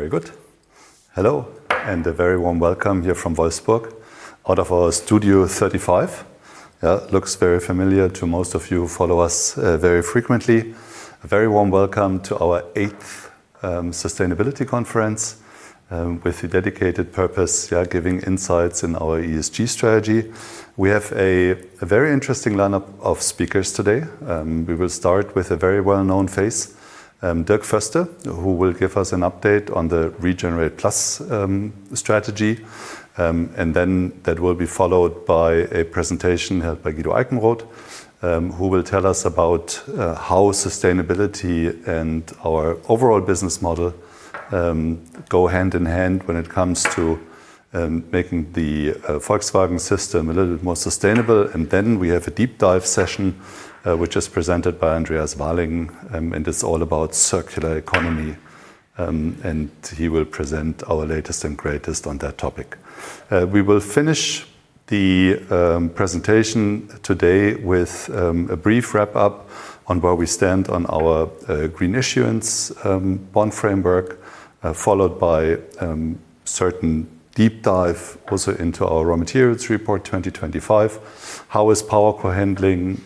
Very good. Hello, a very warm welcome here from Wolfsburg, out of our Studio 35. Looks very familiar to most of you who follow us very frequently. A very warm welcome to our eighth sustainability conference, with the dedicated purpose, giving insights in our ESG strategy. We have a very interesting lineup of speakers today. We will start with a very well-known face, Dirk Voeste, who will give us an update on the regenerate+ strategy. That will be followed by a presentation held by Guido Eickenroth, who will tell us about how sustainability and our overall business model go hand in hand when it comes to making the Volkswagen system a little bit more sustainable. We have a deep dive session, which is presented by Andreas Walingen, and it is all about circular economy. He will present our latest and greatest on that topic. We will finish the presentation today with a brief wrap-up on where we stand on our green issuance bond framework, followed by certain deep dive also into our Raw Materials Report 2025. How is PowerCo handling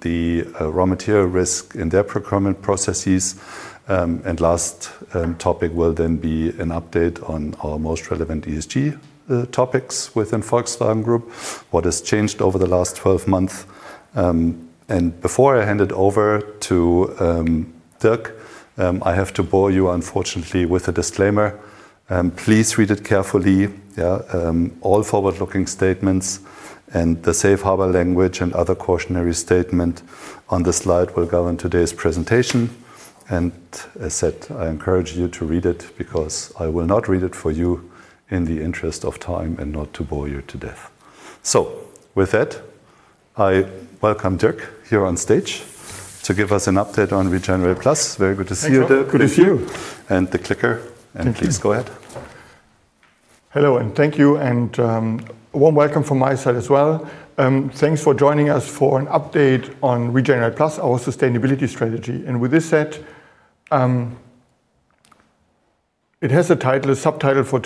the raw material risk in their procurement processes? Last topic will then be an update on our most relevant ESG topics within Volkswagen Group, what has changed over the last 12 months. Before I hand it over to Dirk, I have to bore you, unfortunately, with a disclaimer. Please read it carefully. All forward-looking statements and the safe harbor language and other cautionary statement on the slide will govern today's presentation. As I said, I encourage you to read it because I will not read it for you in the interest of time and not to bore you to death. With that, I welcome Dirk here on stage to give us an update on regenerate+. Very good to see you, Dirk. Thanks a lot. Good to see you. The clicker. Thank you. Please go ahead. Hello, thank you, warm welcome from my side as well. Thanks for joining us for an update on regenerate+, our sustainability strategy. With this said, it has a subtitle for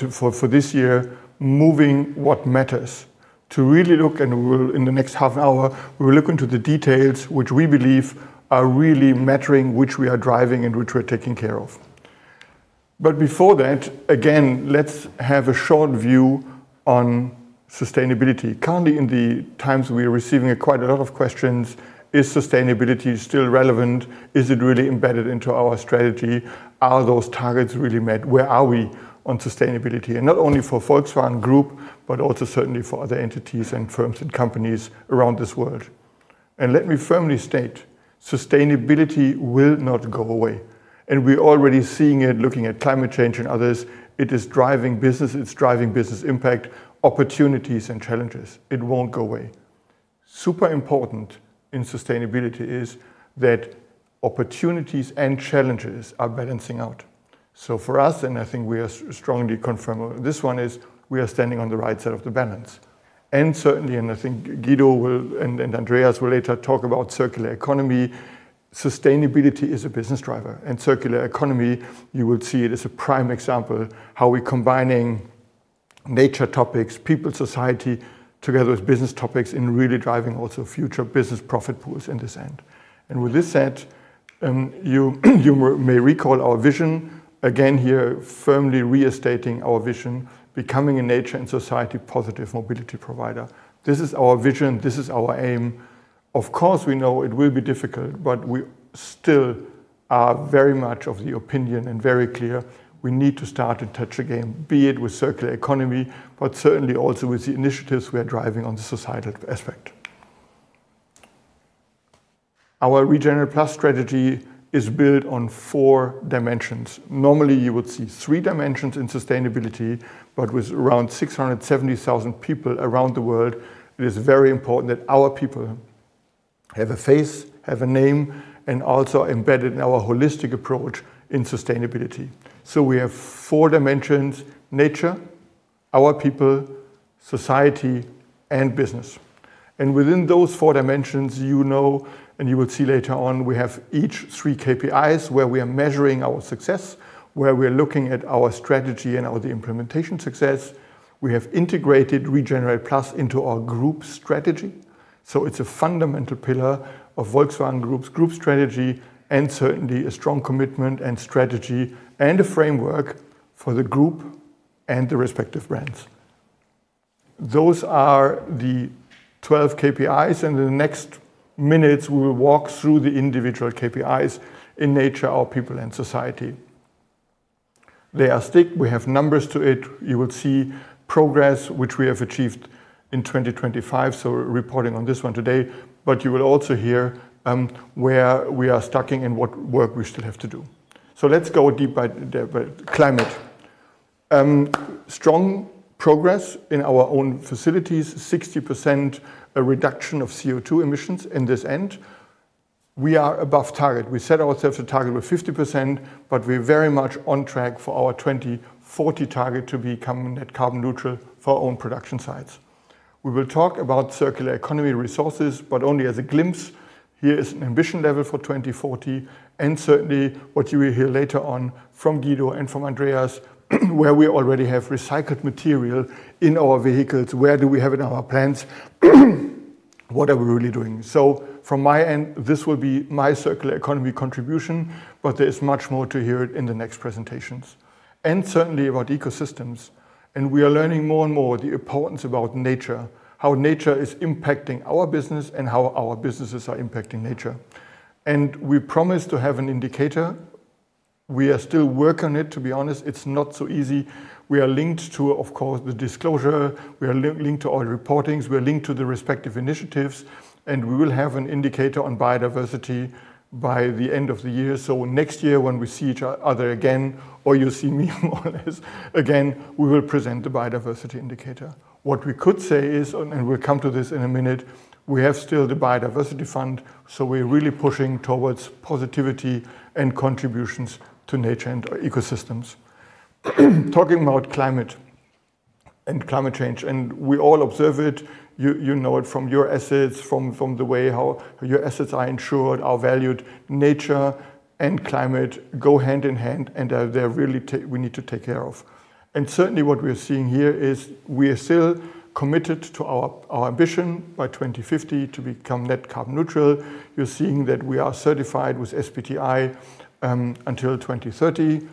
this year, Moving What Matters. To really look, in the next half hour, we will look into the details which we believe are really mattering, which we are driving, and which we are taking care of. Before that, again, let's have a short view on sustainability. Currently, in the times we are receiving quite a lot of questions, is sustainability still relevant? Is it really embedded into our strategy? Are those targets really met? Where are we on sustainability? Not only for Volkswagen Group, but also certainly for other entities and firms and companies around this world. Let me firmly state, sustainability will not go away. We're already seeing it looking at climate change and others. It is driving business, it's driving business impact, opportunities, and challenges. It won't go away. Super important in sustainability is that opportunities and challenges are balancing out. For us, and I think we are strongly confirm this one, is we are standing on the right side of the balance. Certainly, and I think Guido and Andreas will later talk about circular economy, sustainability is a business driver. Circular economy, you will see it as a prime example, how we're combining nature topics, people, society, together with business topics and really driving also future business profit pools in this end. With this said, you may recall our vision. Again here, firmly restating our vision, becoming a nature and society positive mobility provider. This is our vision. This is our aim. Of course, we know it will be difficult, but we still are very much of the opinion and very clear we need to start a touch again, be it with circular economy, but certainly also with the initiatives we are driving on the societal aspect. Our regenerate+ strategy is built on four dimensions. Normally, you would see three dimensions in sustainability, but with around 670,000 people around the world, it is very important that our people have a face, have a name, and also embedded in our holistic approach in sustainability. We have four dimensions, nature, our people, society, and business. Within those four dimensions, you know, and you will see later on, we have each three KPIs where we are measuring our success, where we are looking at our strategy and the implementation success. We have integrated regenerate+ into our group strategy. It's a fundamental pillar of Volkswagen Group's group strategy and certainly a strong commitment and strategy and a framework for the group and the respective brands. Those are the 12 KPIs, and in the next minutes, we will walk through the individual KPIs in nature, our people, and society. They are strict. We have numbers to it. You will see progress which we have achieved in 2025, so reporting on this one today, but you will also hear where we are stuck and what work we still have to do. Let's go deep by climate. Strong progress in our own facilities, 60% reduction of CO2 emissions in this end. We are above target. We set ourselves a target with 50%, but we're very much on track for our 2040 target to becoming net carbon neutral for our own production sites. We will talk about circular economy resources, but only as a glimpse. Here is an ambition level for 2040, and certainly what you will hear later on from Guido and from Andreas, where we already have recycled material in our vehicles. Where do we have it in our plants? What are we really doing? From my end, this will be my circular economy contribution, but there is much more to hear in the next presentations, and certainly about ecosystems. We are learning more and more the importance about nature, how nature is impacting our business, and how our businesses are impacting nature. We promise to have an indicator. We are still work on it, to be honest. It's not so easy. We are linked to, of course, the disclosure, we are linked to our reportings, we are linked to the respective initiatives, and we will have an indicator on biodiversity by the end of the year. Next year, when we see each other again, or you see me more or less again, we will present the biodiversity indicator. What we could say is, and we'll come to this in a minute, we have still the biodiversity fund, so we're really pushing towards positivity and contributions to nature and our ecosystems. Talking about climate and climate change, and we all observe it, you know it from your assets, from the way how your assets are insured, are valued. Nature and climate go hand in hand, and we need to take care of. Certainly what we are seeing here is we are still committed to our ambition by 2050 to become net carbon neutral. You're seeing that we are certified with SBTi, until 2030.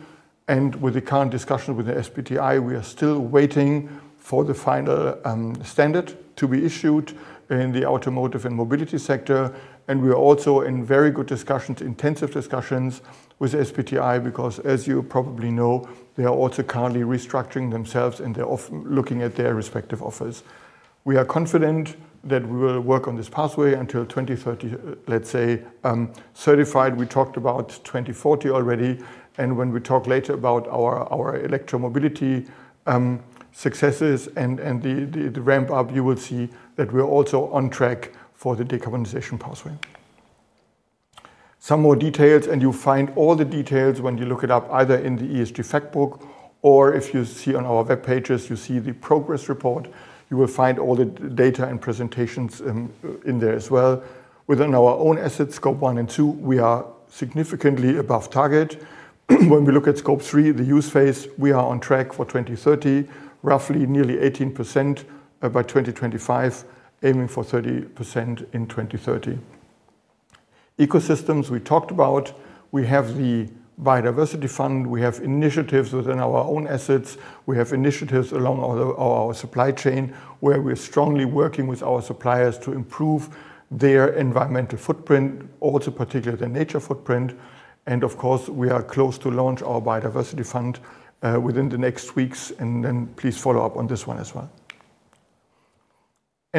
With the current discussion with the SBTi, we are still waiting for the final standard to be issued in the automotive and mobility sector. We are also in very good discussions, intensive discussions with SBTi because as you probably know, they are also currently restructuring themselves, and they're looking at their respective offers. We are confident that we will work on this pathway until 2030, let's say certified, we talked about 2040 already, and when we talk later about our electromobility successes and the ramp up, you will see that we're also on track for the decarbonization pathway. Some more details. You'll find all the details when you look it up, either in the ESG Factbook or if you see on our web pages, you see the progress report. You will find all the data and presentations in there as well. Within our own asset Scope 1 and 2, we are significantly above target. When we look at Scope 3, the use phase, we are on track for 2030, roughly nearly 18%, by 2025, aiming for 30% in 2030. Ecosystems we talked about, we have the biodiversity fund, we have initiatives within our own assets. We have initiatives along our supply chain, where we are strongly working with our suppliers to improve their environmental footprint, also particularly the nature footprint. Of course, we are close to launch our biodiversity fund, within the next weeks. Then please follow up on this one as well.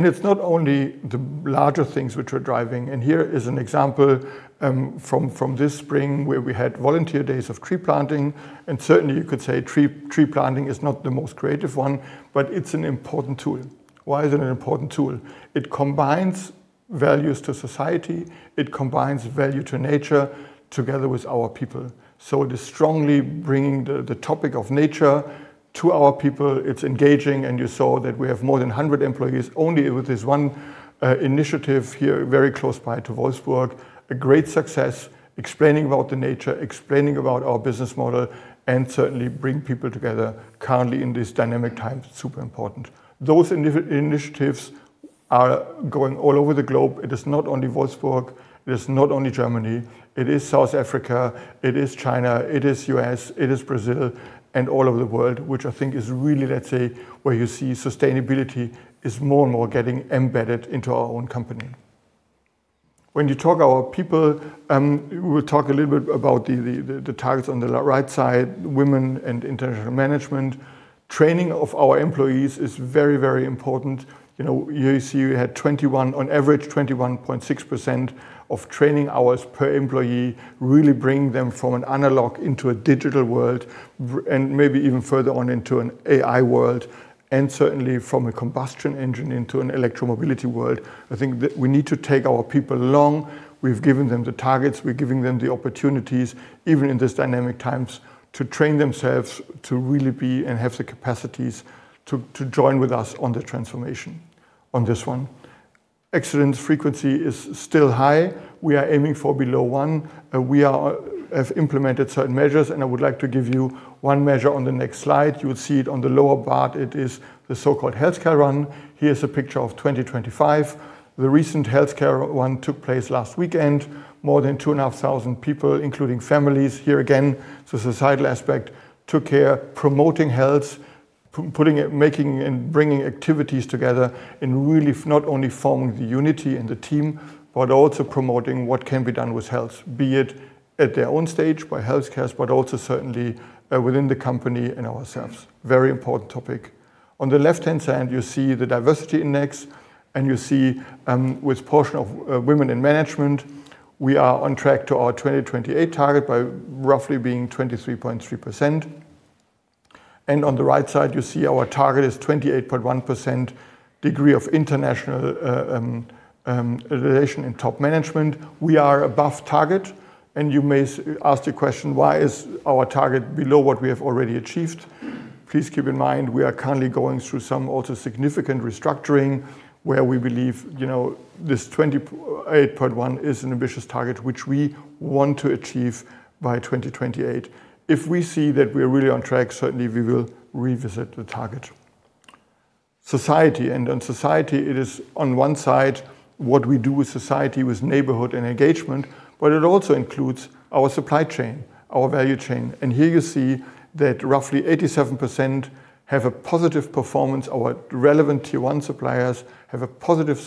It's not only the larger things which we're driving. Here is an example, from this spring where we had volunteer days of tree planting. Certainly you could say tree planting is not the most creative one, but it's an important tool. Why is it an important tool? It combines values to society. It combines value to nature together with our people. So it is strongly bringing the topic of nature to our people. It's engaging. You saw that we have more than 100 employees only with this one initiative here, very close by to Wolfsburg, a great success, explaining about the nature, explaining about our business model, and certainly bring people together currently in these dynamic times. Super important. Those initiatives are going all over the globe. It is not only Wolfsburg, it is not only Germany, it is South Africa, it is China, it is U.S., it is Brazil and all over the world, which I think is really, let's say, where you see sustainability is more and more getting embedded into our own company. When you talk our people, we'll talk a little bit about the targets on the right side, women and international management. Training of our employees is very important. You see we had 21 on average, 21.6% of training hours per employee, really bring them from an analog into a digital world and maybe even further on into an AI world, and certainly from a combustion engine into an electromobility world. I think that we need to take our people along. We've given them the targets. We're giving them the opportunities, even in these dynamic times, to train themselves to really be and have the capacities to join with us on the transformation on this one. Accident frequency is still high. We are aiming for below one. We have implemented certain measures, and I would like to give you one measure on the next slide. You will see it on the lower part. It is the so-called healthcare run. Here's a picture of 2025. The recent healthcare one took place last weekend. More than two and a half thousand people, including families. Here again, the societal aspect took care, promoting health, putting it, making and bringing activities together, and really not only forming the unity and the team, but also promoting what can be done with health, be it at their own stage by healthcare, but also certainly within the company and ourselves. Very important topic. On the left-hand side, you see the diversity index. You see, with portion of women in management, we are on track to our 2028 target by roughly being 23.3%. On the right side, you see our target is 28.1% degree of international relation in top management. We are above target, and you may ask the question, why is our target below what we have already achieved? Please keep in mind, we are currently going through some also significant restructuring, where we believe this 28.1 is an ambitious target, which we want to achieve by 2028. If we see that we are really on track, certainly, we will revisit the target. Society. On society, it is on one side, what we do with society, with neighborhood and engagement, but it also includes our supply chain, our value chain. Here you see that roughly 87% have a positive performance. Our relevant Tier 1 suppliers have a positive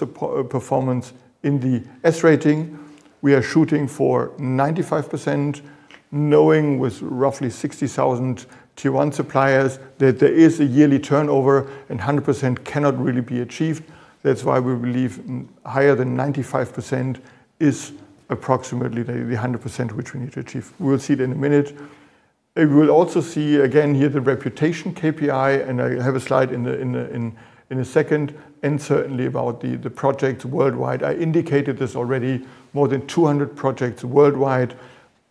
performance in the S-Rating. We are shooting for 95%, knowing with roughly 60,000 Tier 1 suppliers, that there is a yearly turnover and 100% cannot really be achieved. That's why we believe higher than 95% is approximately the 100% which we need to achieve. We will see it in a minute. You will also see again here the reputation KPI. I have a slide in a second, and certainly about the project worldwide. I indicated this already, more than 200 projects worldwide,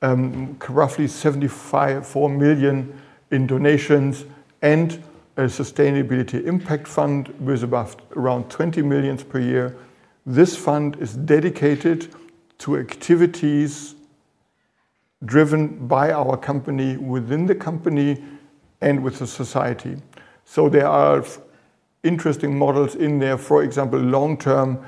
roughly 74 million in donations, and a sustainability impact fund with around 20 million per year. This fund is dedicated to activities driven by our company, within the company, and with the society. There are interesting models in there. For example, long-term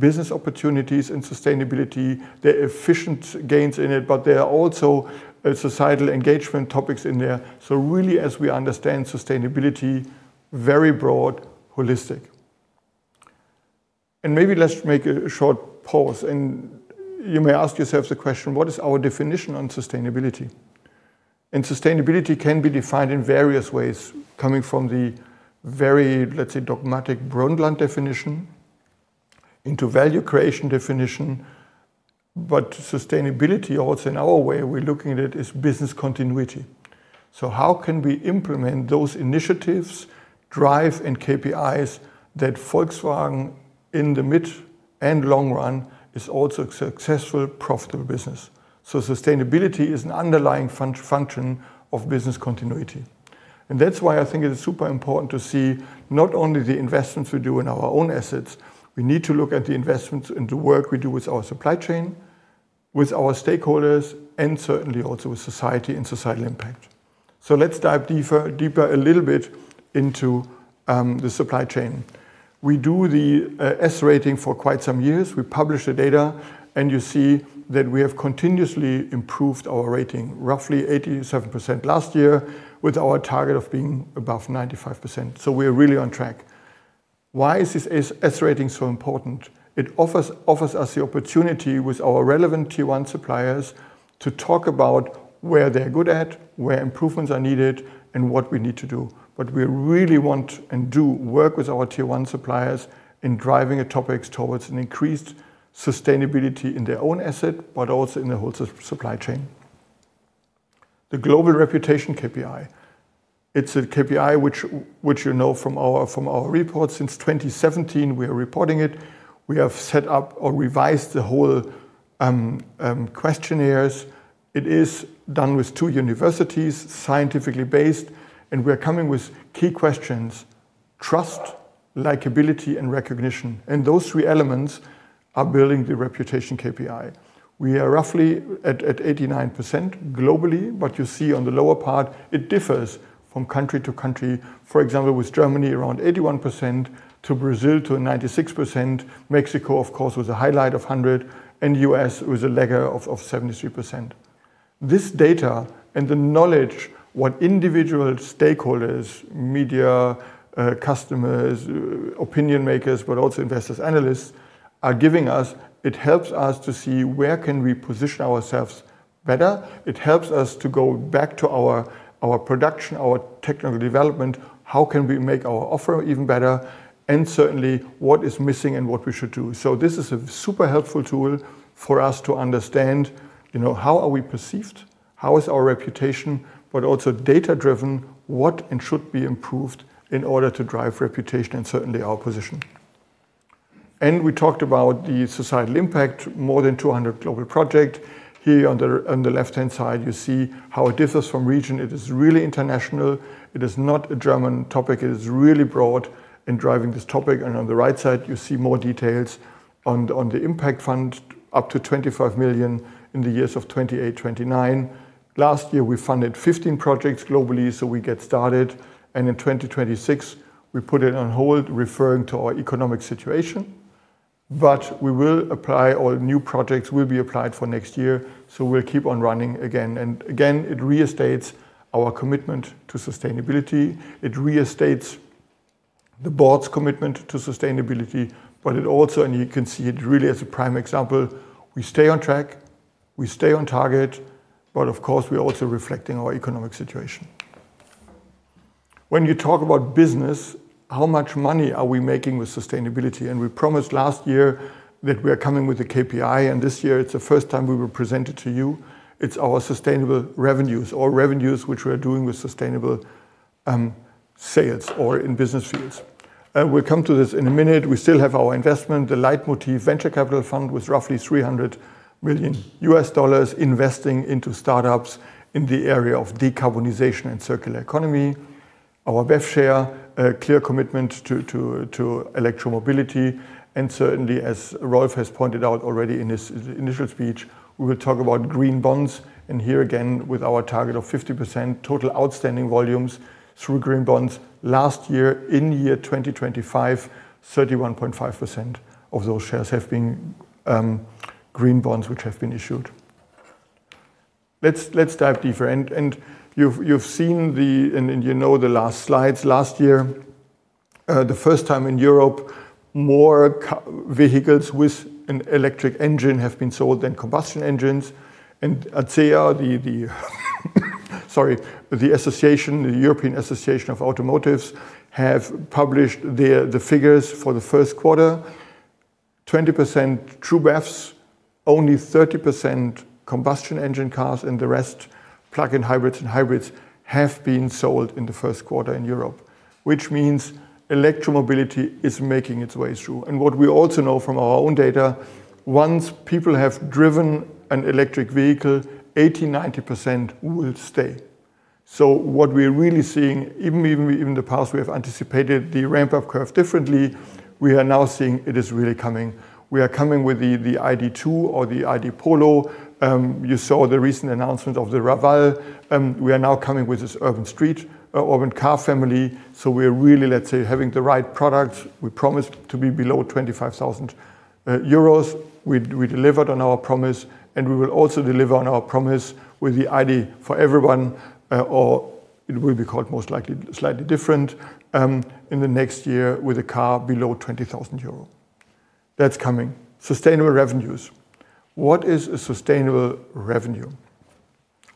business opportunities and sustainability. There are efficient gains in it, but there are also societal engagement topics in there. Really, as we understand sustainability, very broad, holistic. Maybe let's make a short pause, and you may ask yourself the question: What is our definition on sustainability? Sustainability can be defined in various ways, coming from the very, let's say, dogmatic Brundtland definition into value creation definition. Sustainability also, in our way we're looking at it, is business continuity. How can we implement those initiatives, drive and KPIs that Volkswagen in the mid and long run is also a successful, profitable business? Sustainability is an underlying function of business continuity. That's why I think it is super important to see not only the investments we do in our own assets. We need to look at the investments and the work we do with our supply chain, with our stakeholders, and certainly also with society and societal impact. Let's dive deeper a little bit into the supply chain. We do the S-Rating for quite some years. We publish the data, and you see that we have continuously improved our rating, roughly 87% last year, with our target of being above 95%. We are really on track. Why is this S-Rating so important? It offers us the opportunity with our relevant Tier 1 suppliers to talk about where they're good at, where improvements are needed, and what we need to do. We really want and do work with our Tier 1 suppliers in driving topics towards an increased sustainability in their own asset, but also in the whole supply chain. The global reputation KPI. It's a KPI which you know from our report. Since 2017, we are reporting it. We have set up or revised the whole questionnaires. It is done with two universities, scientifically based, and we are coming with key questions: trust, likability, and recognition. Those three elements are building the reputation KPI. We are roughly at 89% globally, but you see on the lower part, it differs from country to country. For example, with Germany, around 81%, to Brazil to 96%. Mexico, of course, was a highlight of 100, and U.S. was a lagger of 73%. This data and the knowledge what individual stakeholders, media, customers, opinion makers, but also investors, analysts are giving us, it helps us to see where can we position ourselves better. It helps us to go back to our production, our technical development. How can we make our offer even better? Certainly, what is missing and what we should do. This is a super helpful tool for us to understand, how are we perceived, how is our reputation, but also data-driven, what should be improved in order to drive reputation and certainly our position. We talked about the societal impact, more than 200 global project. Here on the left-hand side, you see how it differs from region. It is really international. It is not a German topic. It is really broad in driving this topic, and on the right side, you see more details on the impact fund, up to 25 million in the years of 2028, 2029. Last year, we funded 15 projects globally, we get started, and in 2026, we put it on hold, referring to our economic situation. We will apply, or new projects will be applied for next year, we'll keep on running again. Again, it restates our commitment to sustainability. It restates the board's commitment to sustainability. It also, and you can see it really as a prime example, we stay on track, we stay on target, but of course, we are also reflecting our economic situation. When you talk about business, how much money are we making with sustainability? We promised last year that we are coming with a KPI, and this year, it's the first time we will present it to you. It's our sustainable revenues, all revenues which we are doing with sustainable-Sales or in business fields. We'll come to this in a minute. We still have our investment, the Leitmotif Venture Capital Fund, with roughly $300 million investing into startups in the area of decarbonization and circular economy. Our BEV share, clear commitment to electromobility, and certainly, as Rolf has pointed out already in his initial speech, we will talk about green bonds. Here again, with our target of 50% total outstanding volumes through green bonds. Last year, in year 2025, 31.5% of those shares have been green bonds which have been issued. Let's dive deeper. You've seen and you know the last slides. Last year, the first time in Europe, more vehicles with an electric engine have been sold than combustion engines. ACEA, sorry, the European Automobile Manufacturers' Association, have published the figures for the first quarter. 20% true BEVs, only 30% combustion engine cars, and the rest, plug-in hybrids and hybrids, have been sold in the first quarter in Europe, which means electromobility is making its way through. What we also know from our own data, once people have driven an electric vehicle, 80%-90% will stay. What we're really seeing, even the past, we have anticipated the ramp-up curve differently, we are now seeing it is really coming. We are coming with the ID.2 or the ID. Polo. You saw the recent announcement of the Raval. We are now coming with this Electric Urban Car Family. We are really, let's say, having the right product. We promised to be below 25,000 euros. We delivered on our promise, and we will also deliver on our promise with the ID. EVERY1, or it will be called most likely slightly different, in the next year with a car below 20,000 euro. That's coming. Sustainable revenues. What is a sustainable revenue?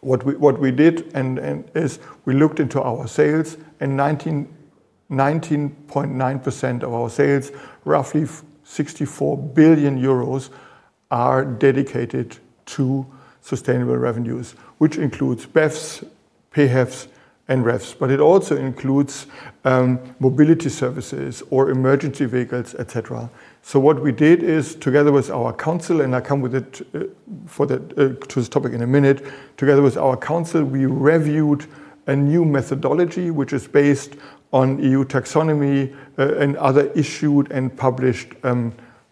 What we did and is we looked into our sales and 19.9% of our sales, roughly 64 billion euros, are dedicated to sustainable revenues, which includes BEVs, PHEVs, and REEVs. It also includes mobility services or emergency vehicles, et cetera. What we did is, together with our council, I come to this topic in a minute. Together with our council, we reviewed a new methodology, which is based on EU taxonomy and other issued and published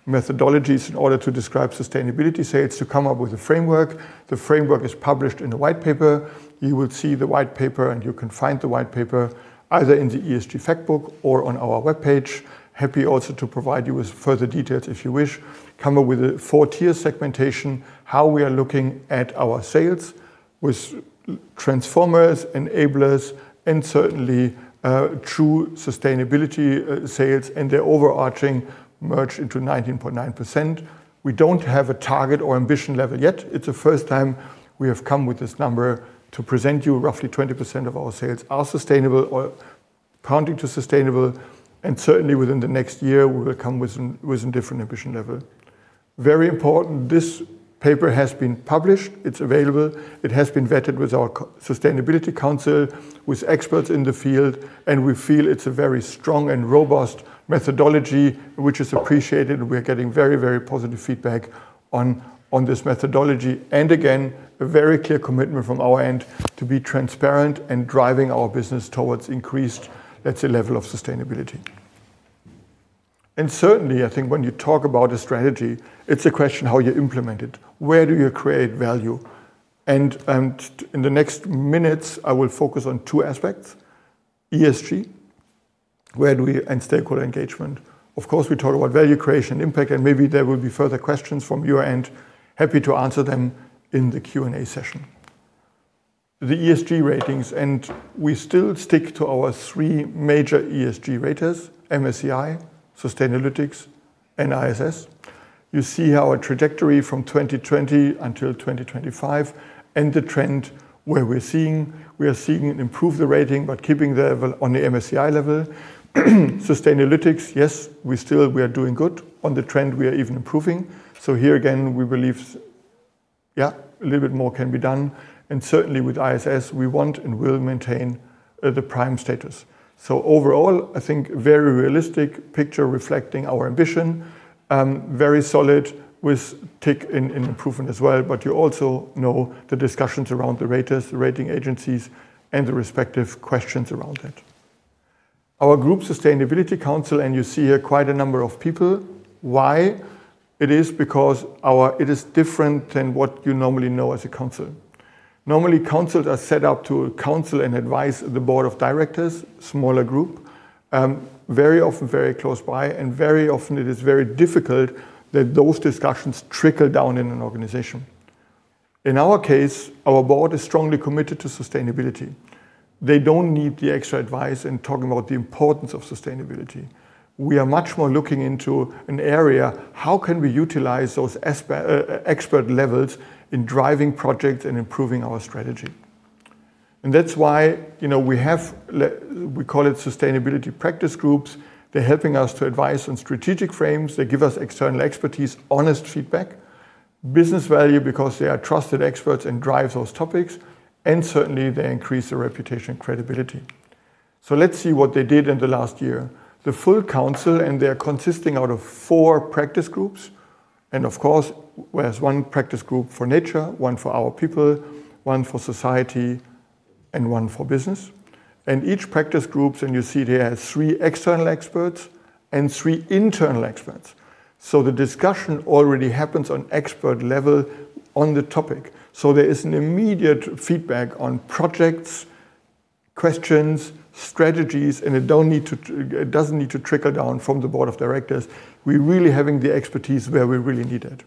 methodologies in order to describe sustainability sales to come up with a framework. The framework is published in the white paper. You will see the white paper. You can find the white paper either in the ESG fact book or on our webpage. Happy also to provide you with further details if you wish. Come up with a 4-tier segmentation, how we are looking at our sales with transformers, enablers, and certainly, true sustainability sales and their overarching merge into 19.9%. We don't have a target or ambition level yet. It's the first time we have come with this number to present you roughly 20% of our sales are sustainable or counting to sustainable. Certainly, within the next year, we will come with an different ambition level. Very important, this paper has been published. It's available. It has been vetted with our Sustainability Council, with experts in the field. We feel it's a very strong and robust methodology, which is appreciated. We're getting very, very positive feedback on this methodology. Again, a very clear commitment from our end to be transparent and driving our business towards increased, let's say, level of sustainability. Certainly, I think when you talk about a strategy, it's a question how you implement it. Where do you create value? In the next minutes, I will focus on two aspects, ESG and stakeholder engagement. Of course, we talk about value creation, impact, and maybe there will be further questions from your end. Happy to answer them in the Q&A session. The ESG ratings. We still stick to our three major ESG raters: MSCI, Sustainalytics, and ISS. You see our trajectory from 2020 until 2025. The trend where we're seeing improve the rating, keeping the level on the MSCI level. Sustainalytics, yes, we are doing good. On the trend, we are even improving. Here again, we believe a little bit more can be done. Certainly, with ISS, we want and will maintain the prime status. Overall, I think very realistic picture reflecting our ambition. Very solid with tick in improvement as well. You also know the discussions around the raters, the rating agencies, and the respective questions around it. Our Group Sustainability Council. You see here quite a number of people. Why? It is because it is different than what you normally know as a council. Normally, councils are set up to counsel and advise the board of directors, smaller group, very often very close by. Very often it is very difficult that those discussions trickle down in an organization. In our case, our board is strongly committed to sustainability. They don't need the extra advice in talking about the importance of sustainability. We are much more looking into an area, how can we utilize those expert levels in driving projects and improving our strategy. That's why we have, we call it Sustainability Practice Groups. They're helping us to advise on strategic frames. They give us external expertise, honest feedback, business value because they are trusted experts and drive those topics. Certainly they increase the reputation and credibility. Let's see what they did in the last year. The full council, they are consisting out of four practice groups, of course, there's one practice group for Nature, one for Our People, one for Society, and one for Business. Each practice group, you see there, has three external experts and three internal experts. The discussion already happens on expert level on the topic. There is an immediate feedback on projects, questions, strategies, and it doesn't need to trickle down from the board of directors. We're really having the expertise where we really need it.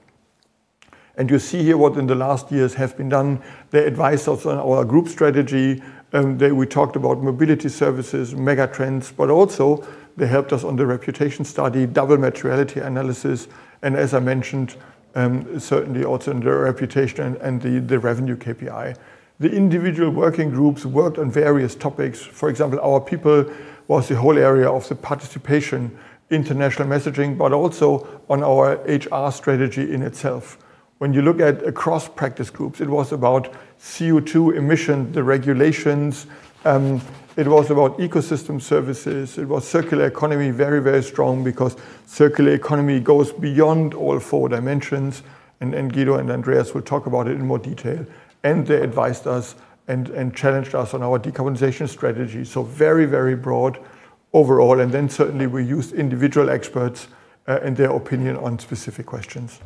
You see here what in the last years have been done. They advise us on our group strategy, we talked about mobility services, mega trends, but also they helped us on the reputation study, double materiality analysis, and as I mentioned, certainly also under reputation and the revenue KPI. The individual working groups worked on various topics. For example, Our People was the whole area of the participation, international messaging, but also on our HR strategy in itself. When you look at across practice groups, it was about CO2 emission, the regulations, it was about ecosystem services. It was circular economy, very, very strong because circular economy goes beyond all four dimensions and Guido and Andreas will talk about it in more detail. They advised us and challenged us on our decarbonization strategy. Very, very broad overall. Certainly we used individual experts, and their opinion on specific questions.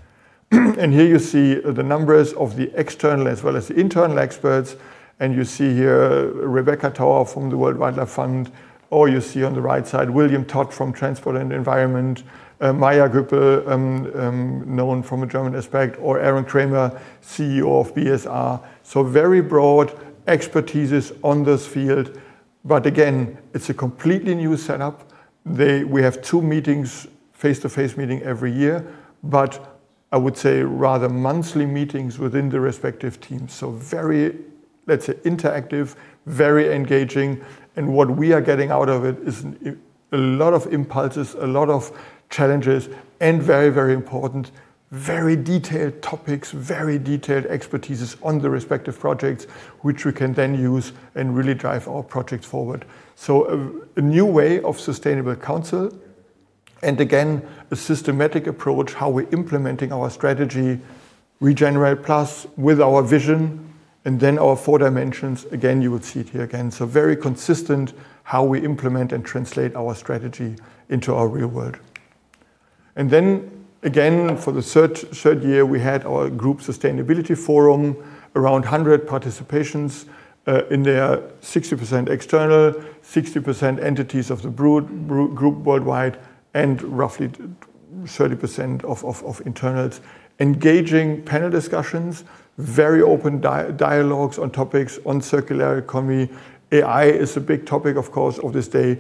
Here you see the numbers of the external as well as the internal experts. You see here Rebekka Freund from the World Wildlife Fund, or you see on the right side William Todts from Transport & Environment, Maja Göpel, known from a German aspect, or Aron Cramer, CEO of BSR. Very broad expertises on this field. Again, it's a completely new setup. We have two face-to-face meeting every year. I would say rather monthly meetings within the respective teams. Very, let's say, interactive, very engaging. What we are getting out of it is a lot of impulses, a lot of challenges, and very, very important, very detailed topics, very detailed expertises on the respective projects, which we can then use and really drive our projects forward. A new way of sustainable council and again, a systematic approach how we're implementing our strategy, regenerate+ with our vision and our four dimensions, again you will see it here again, very consistent how we implement and translate our strategy into our real world. Again, for the third year, we had our group sustainability forum, around 100 participations, there are 60% external, 60% entities of the group worldwide and roughly 30% of internals. Engaging panel discussions, very open dialogues on topics on circular economy. AI is a big topic, of course, of this day,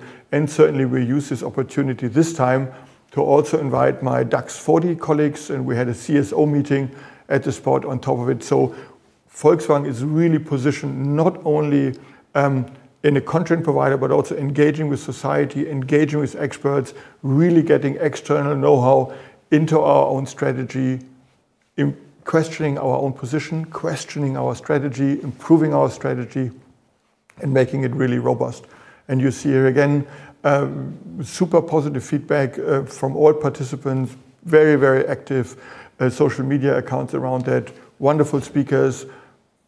certainly we use this opportunity this time to also invite my DAX 40 colleagues, we had a CSO meeting at the spot on top of it. Volkswagen is really positioned not only in a content provider, but also engaging with society, engaging with experts, really getting external knowhow into our own strategy, questioning our own position, questioning our strategy, improving our strategy and making it really robust. You see here again, super positive feedback from all participants, very, very active social media accounts around it. Wonderful speakers,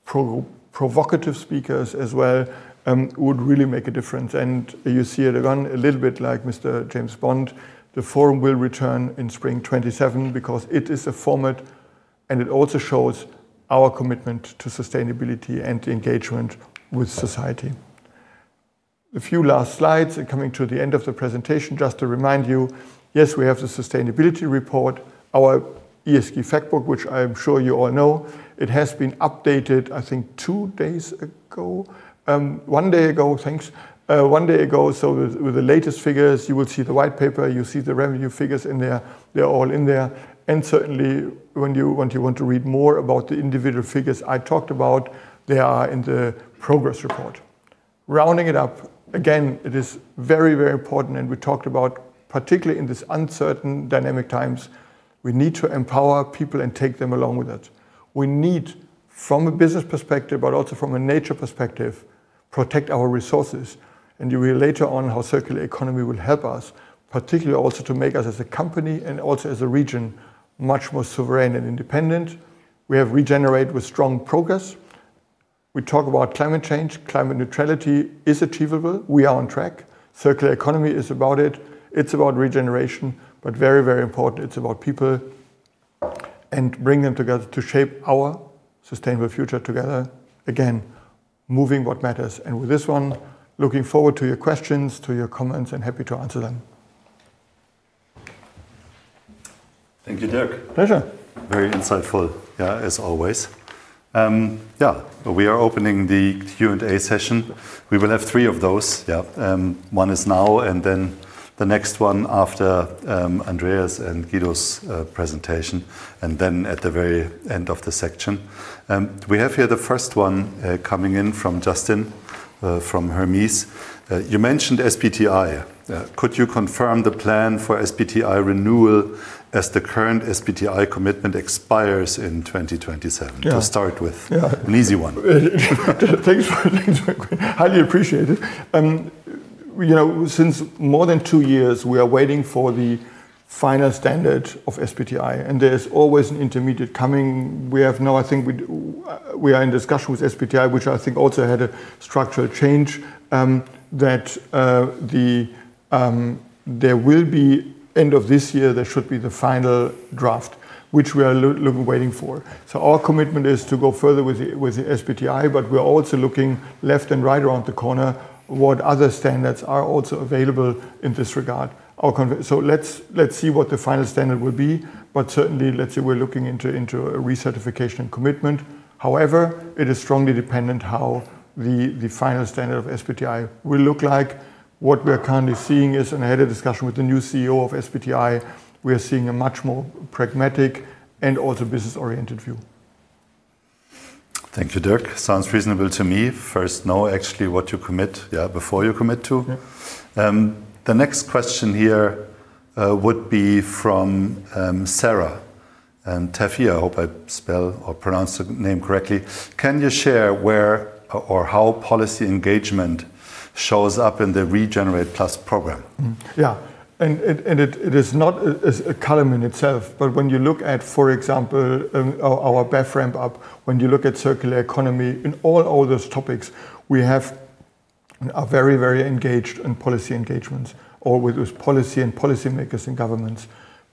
provocative speakers as well, would really make a difference. You see it again a little bit like Mr. James Bond. The forum will return in spring 2027 because it is a format and it also shows our commitment to sustainability and engagement with society. A few last slides and coming to the end of the presentation, just to remind you, yes, we have the sustainability report, our ESG fact book, which I am sure you all know. It has been updated, I think two days ago? One day ago. Thanks. One day ago. With the latest figures. You will see the white paper. You see the revenue figures in there. They are all in there. Certainly when you want to read more about the individual figures I talked about, they are in the progress report. Rounding it up, again, it is very, very important we talked about particularly in this uncertain dynamic times, we need to empower people and take them along with it. We need, from a business perspective, but also from a nature perspective, protect our resources. You will later on how circular economy will help us, particularly also to make us as a company and also as a region, much more sovereign and independent. We have regenerate with strong progress. We talk about climate change. Climate neutrality is achievable. We are on track. Circular economy is about it. It is about regeneration, but very, very important, it is about people and bring them together to shape our sustainable future together. Again, moving what matters. With this one, looking forward to your questions, to your comments and happy to answer them. Thank you, Dirk. Pleasure. Very insightful, as always. We are opening the Q&A session. We will have three of those. One is now and then the next one after Andreas and Guido's presentation, and then at the very end of the section. We have here the first one, coming in from Justin from Hermes. You mentioned SBTi. Could you confirm the plan for SBTi renewal as the current SBTi commitment expires in 2027? Yeah. To start with. Yeah. An easy one. Thanks. Highly appreciate it. Since more than two years, we are waiting for the final standard of SBTi, and there's always an intermediate coming. We are in discussion with SBTi, which I think also had a structural change, that there will be end of this year, there should be the final draft, which we are waiting for. Our commitment is to go further with the SBTi, but we're also looking left and right around the corner what other standards are also available in this regard. Let's see what the final standard will be, but certainly, let's say we're looking into a recertification commitment. However, it is strongly dependent how the final standard of SBTi will look like. What we are currently seeing is, and I had a discussion with the new CEO of SBTi, we are seeing a much more pragmatic and also business-oriented view. Thank you, Dirk. Sounds reasonable to me. First know actually what you commit before you commit to. Yeah. The next question here would be from Sarah Tafreschi. I hope I spell or pronounce the name correctly. Can you share where or how policy engagement shows up in the regenerate+ program? Yeah. It is not a column in itself, but when you look at, for example, our BEV ramp-up, when you look at circular economy, in all those topics, we are very engaged in policy engagements or with those policy and policy makers and governments.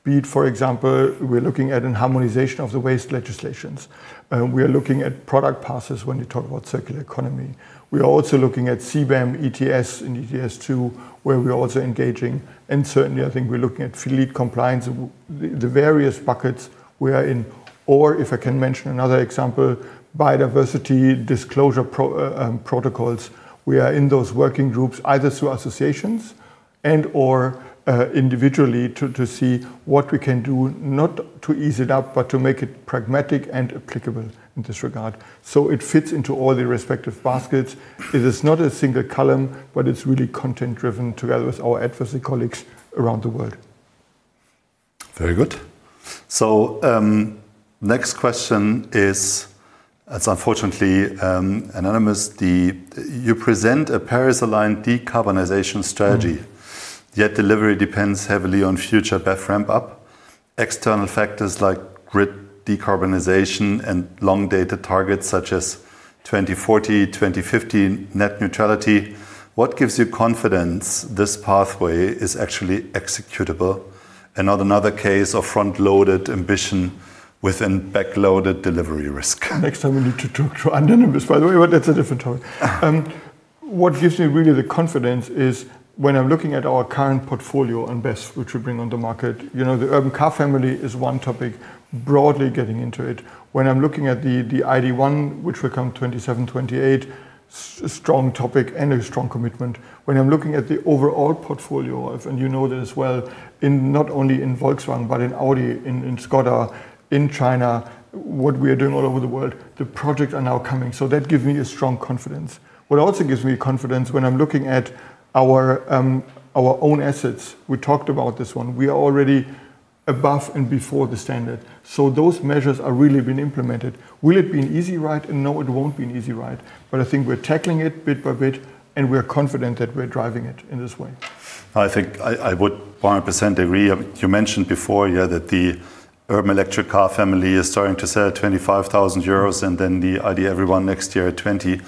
Be it, for example, we're looking at harmonization of the waste legislations. We are looking at product passes when you talk about circular economy. We are also looking at CBAM, ETS, and ETS2, where we're also engaging. Certainly, I think we're looking at fleet compliance of the various buckets we are in. If I can mention another example, biodiversity disclosure protocols. We are in those working groups either through associations and/or individually to see what we can do, not to ease it up, but to make it pragmatic and applicable in this regard. It fits into all the respective baskets. It is not a single column, but it's really content driven together with our advocacy colleagues around the world. Very good. Next question is, it's unfortunately anonymous. You present a Paris-aligned decarbonization strategy, yet delivery depends heavily on future BEV ramp-up, external factors like grid decarbonization and long data targets such as 2040, 2050 net neutrality. What gives you confidence this pathway is actually executable and not another case of front-loaded ambition with a back-loaded delivery risk? Next time we need to talk to anonymous, by the way, but that's a different topic. What gives me really the confidence is when I'm looking at our current portfolio and BEVs, which we bring on the market. The Electric Urban Car Family is one topic, broadly getting into it. When I'm looking at the ID.1, which will come 2027, 2028, a strong topic and a strong commitment. When I'm looking at the overall portfolio of, and you know this well, not only in Volkswagen, but in Audi, in Škoda, in China, what we are doing all over the world, the projects are now coming. That gives me a strong confidence. What also gives me confidence, when I'm looking at our own assets, we talked about this one, we are already above and before the standard. Those measures are really being implemented. Will it be an easy ride? No, it won't be an easy ride, but I think we're tackling it bit by bit, and we're confident that we're driving it in this way. I think I would 100% agree. You mentioned before, yeah, that the Electric Urban Car Family is starting to sell at 25,000 euros and then the ID. EVERY1 next year at 20,000.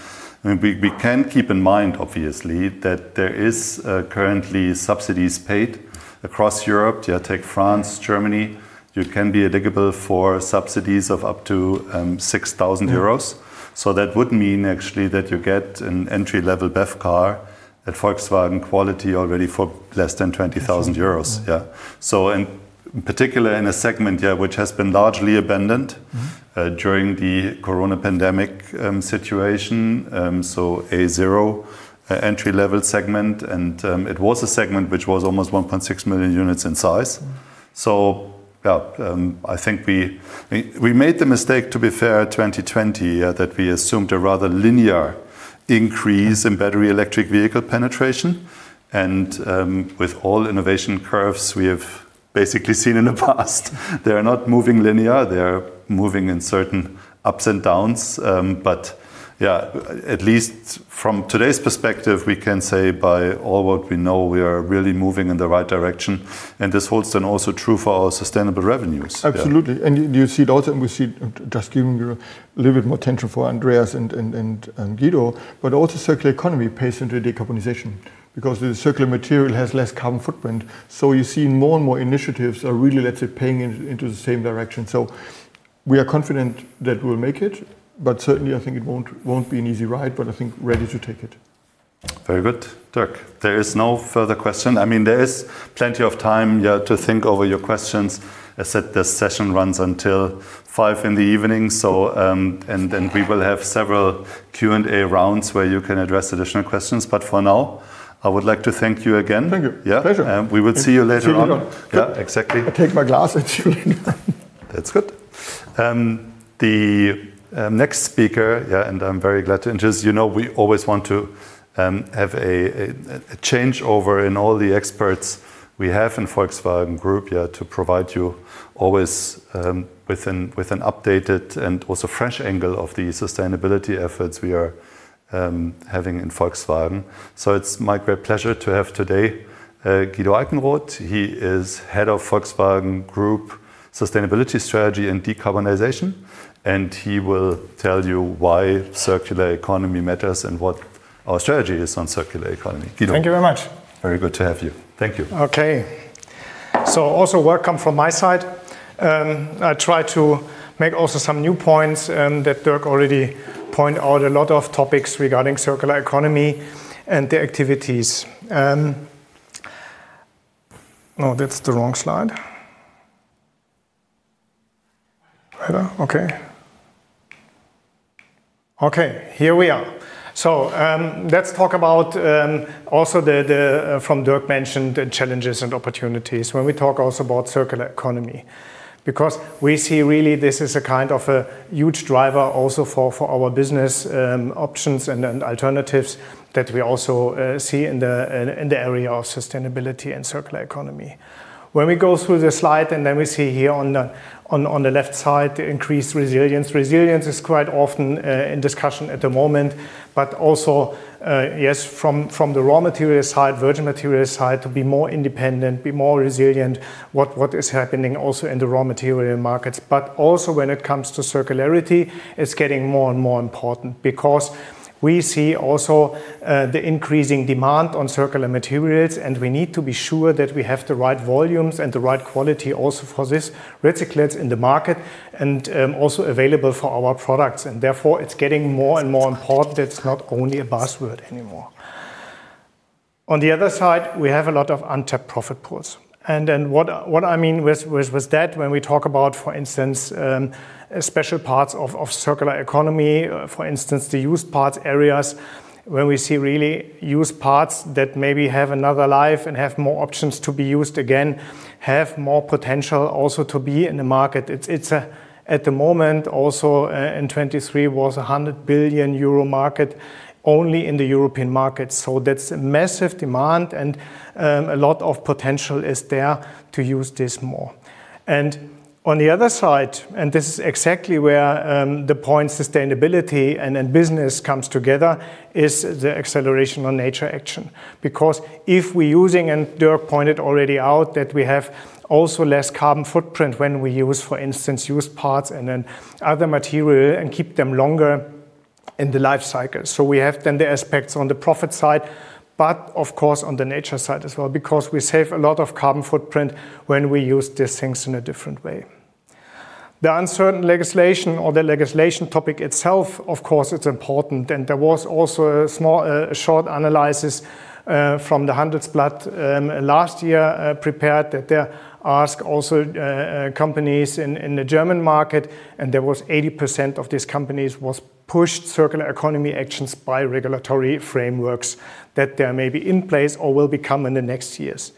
We can keep in mind, obviously, that there is currently subsidies paid across Europe. Yeah, take France, Germany, you can be eligible for subsidies of up to 6,000 euros. That would mean actually that you get an entry-level BEV car at Volkswagen quality already for less than 20,000 euros. Yeah. In particular, in a segment, yeah, which has been largely abandoned during the Corona pandemic situation, a zero entry-level segment and it was a segment which was almost 1.6 million units in size. Yeah, I think we made the mistake, to be fair, 2020, that we assumed a rather linear increase in battery electric vehicle penetration and with all innovation curves we have basically seen in the past, they're not moving linear, they're moving in certain ups and downs. Yeah, at least from today's perspective, we can say by all what we know, we are really moving in the right direction and this holds then also true for our sustainable revenues. Absolutely. You see it also, we see, just giving you a little bit more attention for Andreas Walingen and Guido Eickenroth, circular economy plays into decarbonization because the circular material has less carbon footprint. You see more and more initiatives are really, let's say, paying into the same direction. We are confident that we'll make it, but certainly, I think it won't be an easy ride, but I think ready to take it. Very good, Dirk Voeste. There is no further question. There is plenty of time to think over your questions. As said, this session runs until 5:00 P.M. in the evening, we will have several Q&A rounds where you can address additional questions. For now, I would like to thank you again. Thank you. Pleasure. We will see you later on. See you later. Yeah, exactly. I take my glass and see you later. That's good. The next speaker, I'm very glad to introduce you. We always want to have a changeover in all the experts we have in Volkswagen Group to provide you always with an updated and also fresh angle of the sustainability efforts we are having in Volkswagen. It's my great pleasure to have today Guido Eickenroth. He is Head of Volkswagen Group Sustainability Strategy and Decarbonization, he will tell you why circular economy matters and what our strategy is on circular economy. Guido. Thank you very much. Very good to have you. Thank you. Okay. Also welcome from my side. I try to make also some new points, and Dirk already point out a lot of topics regarding circular economy and the activities. No, that is the wrong slide. Okay. Okay, here we are. Let's talk about also from Dirk mentioned the challenges and opportunities when we talk also about circular economy, because we see really this is a kind of a huge driver also for our business options and alternatives that we also see in the area of sustainability and circular economy. When we go through the slide and then we see here on the left side, increased resilience. Resilience is quite often in discussion at the moment, but also, yes, from the raw material side, virgin material side, to be more independent, be more resilient, what is happening also in the raw material markets. Also when it comes to circularity, it is getting more and more important because we see also the increasing demand on circular materials, and we need to be sure that we have the right volumes and the right quality also for these recyclates in the market and also available for our products. Therefore, it is getting more and more important. It is not only a buzzword anymore. On the other side, we have a lot of untapped profit pools. Then what I mean with that, when we talk about, for instance, special parts of circular economy, for instance, the used parts areas where we see really used parts that maybe have another life and have more options to be used again, have more potential also to be in the market. It is at the moment, also in 2023, was a 100 billion euro market only in the European market. That's a massive demand and a lot of potential is there to use this more. On the other side, and this is exactly where the point sustainability and business comes together, is the acceleration on nature action. Because if we're using, and Dirk pointed already out that we have also less carbon footprint when we use, for instance, used parts and then other material and keep them longer in the life cycle. We have then the aspects on the profit side, but of course, on the nature side as well, because we save a lot of carbon footprint when we use these things in a different way. The uncertain legislation or the legislation topic itself, of course, it's important. There was also a short analysis from the Handelsblatt, last year, prepared that they ask also companies in the German market, and there was 80% of these companies was pushed circular economy actions by regulatory frameworks that they may be in place or will become in the next years.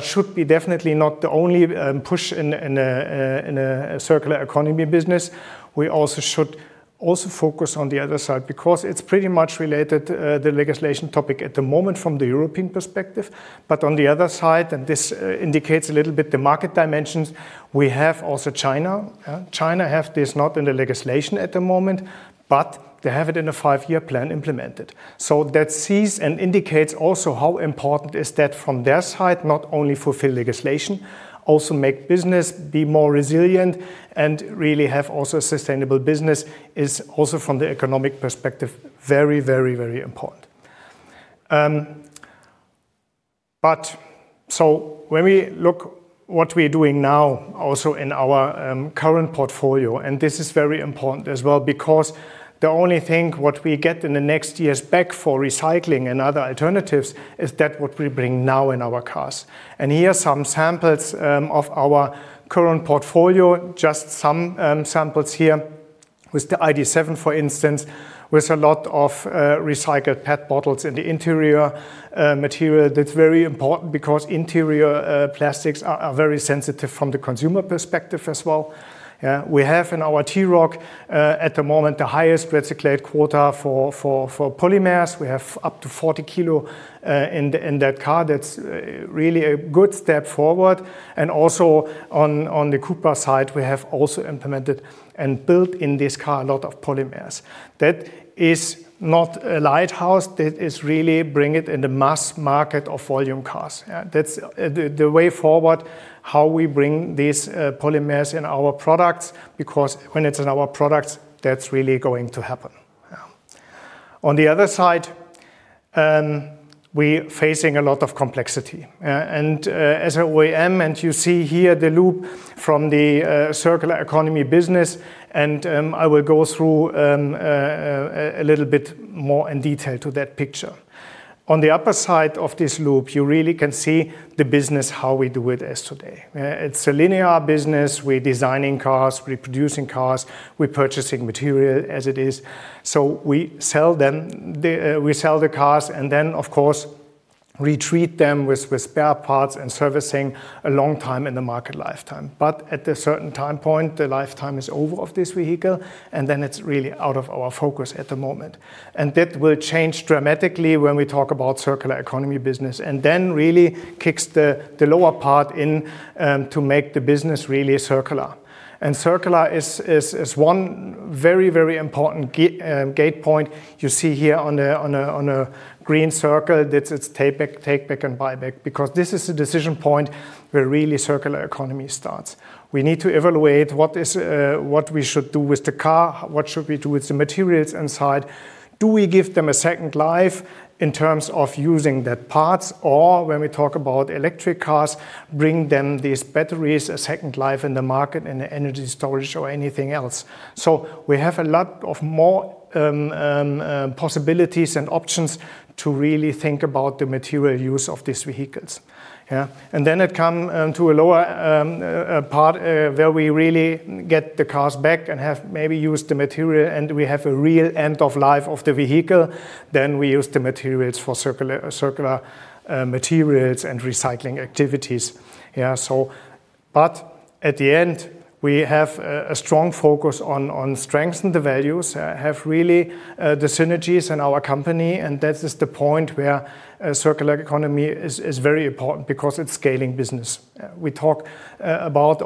Should be definitely not the only push in a circular economy business. We should also focus on the other side because it's pretty much related, the legislation topic at the moment from the European perspective, but on the other side, and this indicates a little bit the market dimensions, we have also China. China have this not in the legislation at the moment, but they have it in a five-year plan implemented. That sees and indicates also how important is that from their side, not only fulfill legislation, also make business be more resilient and really have also sustainable business is also from the economic perspective, very important. When we look what we're doing now also in our current portfolio, and this is very important as well, because the only thing what we get in the next years back for recycling and other alternatives is that what we bring now in our cars. Here are some samples of our current portfolio, just some samples here with the ID.7, for instance, with a lot of recycled PET bottles in the interior material. That's very important because interior plastics are very sensitive from the consumer perspective as well. We have in our T-Roc, at the moment, the highest recyclate quota for polymers. We have up to 40 kg in that car. That's really a good step forward. Also on the Cupra side, we have also implemented and built in this car a lot of polymers. That is not a lighthouse. That is really bring it in the mass market of volume cars. That's the way forward, how we bring these polymers in our products, because when it's in our products, that's really going to happen. On the other side, we facing a lot of complexity. As OEM, and you see here the loop from the circular economy business, I will go through a little bit more in detail to that picture. On the upper side of this loop, you really can see the business, how we do it as today. It's a linear business. We're designing cars, we're producing cars, we're purchasing material as it is. We sell the cars, and then, of course, retreat them with spare parts and servicing a long time in the market lifetime. At a certain time point, the lifetime is over of this vehicle, and then it's really out of our focus at the moment. That will change dramatically when we talk about circular economy business, and then really kicks the lower part in to make the business really circular. Circular is one very important gate point you see here on a green circle. It's take back and buyback, because this is a decision point where really circular economy starts. We need to evaluate what we should do with the car, what should we do with the materials inside. Do we give them a second life in terms of using that parts? When we talk about electric cars, bring them, these batteries, a second life in the market, in the energy storage or anything else. We have a lot of more possibilities and options to really think about the material use of these vehicles. It come into a lower part where we really get the cars back and have maybe used the material, and we have a real end of life of the vehicle. We use the materials for circular materials and recycling activities. At the end, we have a strong focus on strengthen the values, have really the synergies in our company, and that is the point where circular economy is very important because it's scaling business. We talk about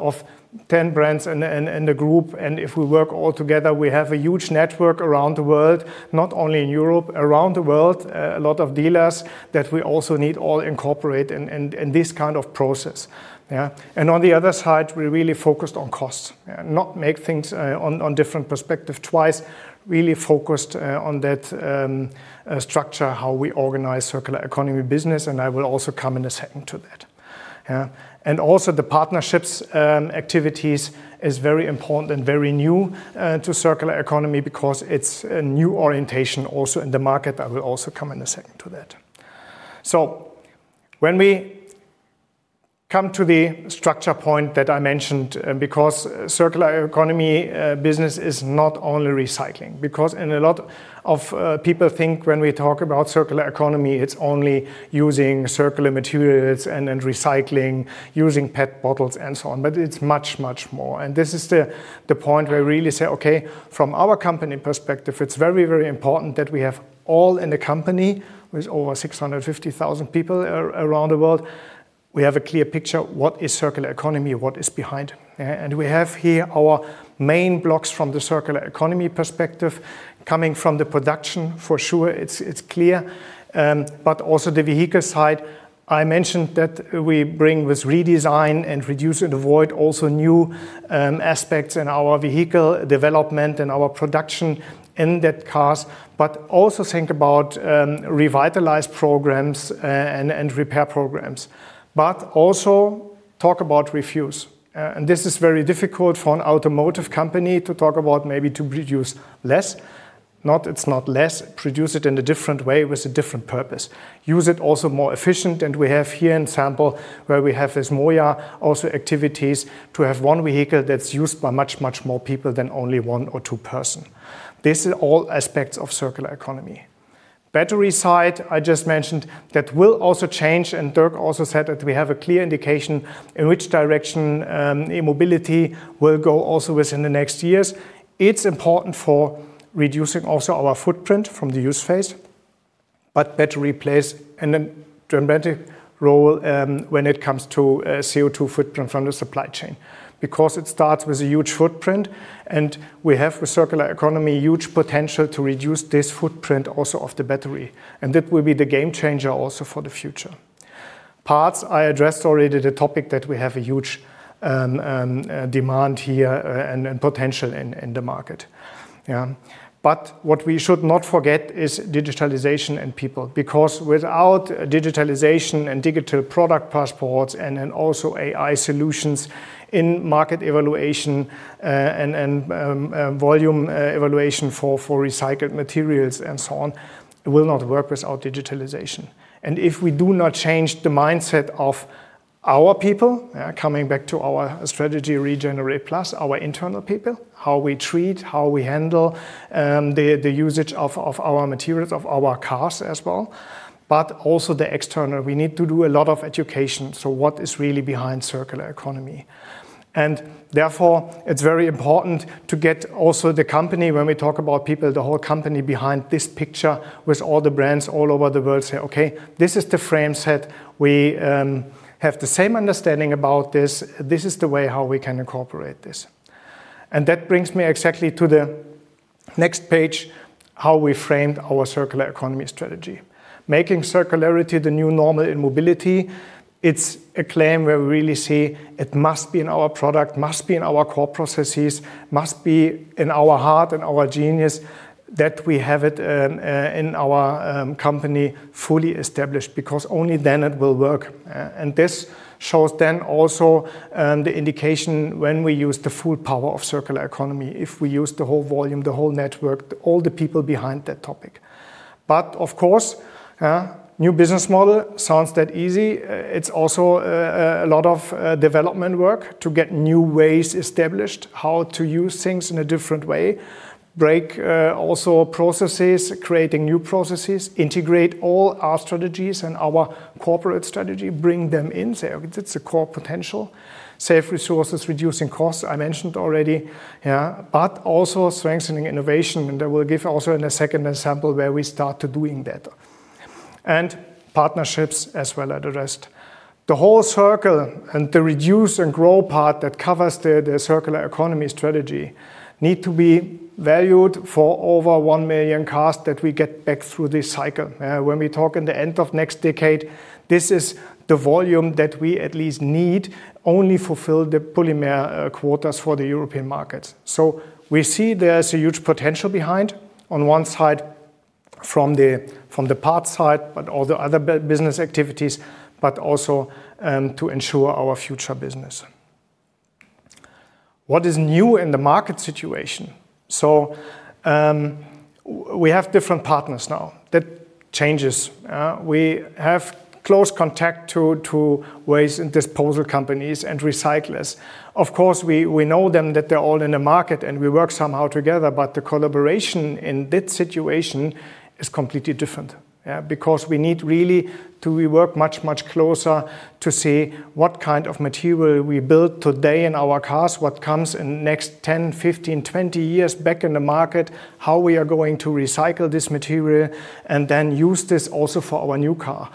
10 brands in the group, and if we work all together, we have a huge network around the world, not only in Europe, around the world, a lot of dealers that we also need all incorporate in this kind of process. On the other side, we really focused on costs. Not make things on different perspective twice, really focused on that structure, how we organize circular economy business, and I will also come in a second to that. Also the partnerships activities is very important and very new to circular economy because it's a new orientation also in the market, but we'll also come in a second to that. When we come to the structure point that I mentioned, because circular economy business is not only recycling, because a lot of people think when we talk about circular economy, it's only using circular materials and then recycling, using PET bottles and so on, but it's much more. This is the point where really say, okay, from our company perspective, it's very important that we have all in the company with over 650,000 people around the world, we have a clear picture what is circular economy, what is behind. We have here our main blocks from the circular economy perspective coming from the production for sure, it's clear, but also the vehicle side, I mentioned that we bring with redesign and reduce and avoid also new aspects in our vehicle development and our production in that cars, but also think about revitalize programs and repair programs. Also talk about refuse. This is very difficult for an automotive company to talk about maybe to produce less. Not it's not less, produce it in a different way with a different purpose. Use it also more efficient, and we have here in sample where we have as MOIA also activities to have one vehicle that's used by much more people than only one or two person. This is all aspects of circular economy. Battery side, I just mentioned that will also change. Dirk also said that we have a clear indication in which direction e-mobility will go also within the next years. It's important for reducing also our footprint from the use phase, but battery plays an dramatic role when it comes to CO2 footprint from the supply chain. It starts with a huge footprint. We have with circular economy, huge potential to reduce this footprint also of the battery. That will be the game changer also for the future. Parts, I addressed already the topic that we have a huge demand here and potential in the market. What we should not forget is digitalization and people, because without digitalization and digital product passports and then also AI solutions in market evaluation and volume evaluation for recycled materials and so on, will not work without digitalization. If we do not change the mindset of our people, coming back to our strategy regenerate+, our internal people, how we treat, how we handle the usage of our materials, of our cars as well, but also the external. We need to do a lot of education. What is really behind circular economy. Therefore, it's very important to get also the company, when we talk about people, the whole company behind this picture with all the brands all over the world, say, Okay, this is the frame set. We have the same understanding about this. This is the way how we can incorporate this. That brings me exactly to the next page, how we framed our circular economy strategy. Making circularity the new normal in mobility, it's a claim where we really see it must be in our product, must be in our core processes, must be in our heart and our genius, that we have it in our company fully established, because only then it will work. This shows then also the indication when we use the full power of circular economy, if we use the whole volume, the whole network, all the people behind that topic. Of course, new business model sounds that easy. It's also a lot of development work to get new ways established, how to use things in a different way, break also processes, creating new processes, integrate all our strategies and our corporate strategy, bring them in there. It's a core potential. Save resources, reducing costs, I mentioned already. Also strengthening innovation, I will give also in a second example where we start to doing that. Partnerships as well as the rest. The whole circle and the reduce and grow part that covers the circular economy strategy need to be valued for over 1 million cars that we get back through this cycle. When we talk in the end of next decade, this is the volume that we at least need only fulfill the polymer quotas for the European markets. We see there's a huge potential behind, on one side from the parts side, but all the other business activities, but also to ensure our future business. What is new in the market situation? We have different partners now. That changes. We have close contact to waste and disposal companies and recyclers. Of course, we know them, that they're all in the market, and we work somehow together, but the collaboration in that situation is completely different. We need really to work much, much closer to see what kind of material we build today in our cars, what comes in next 10, 15, 20 years back in the market, how we are going to recycle this material, and then use this also for our new car.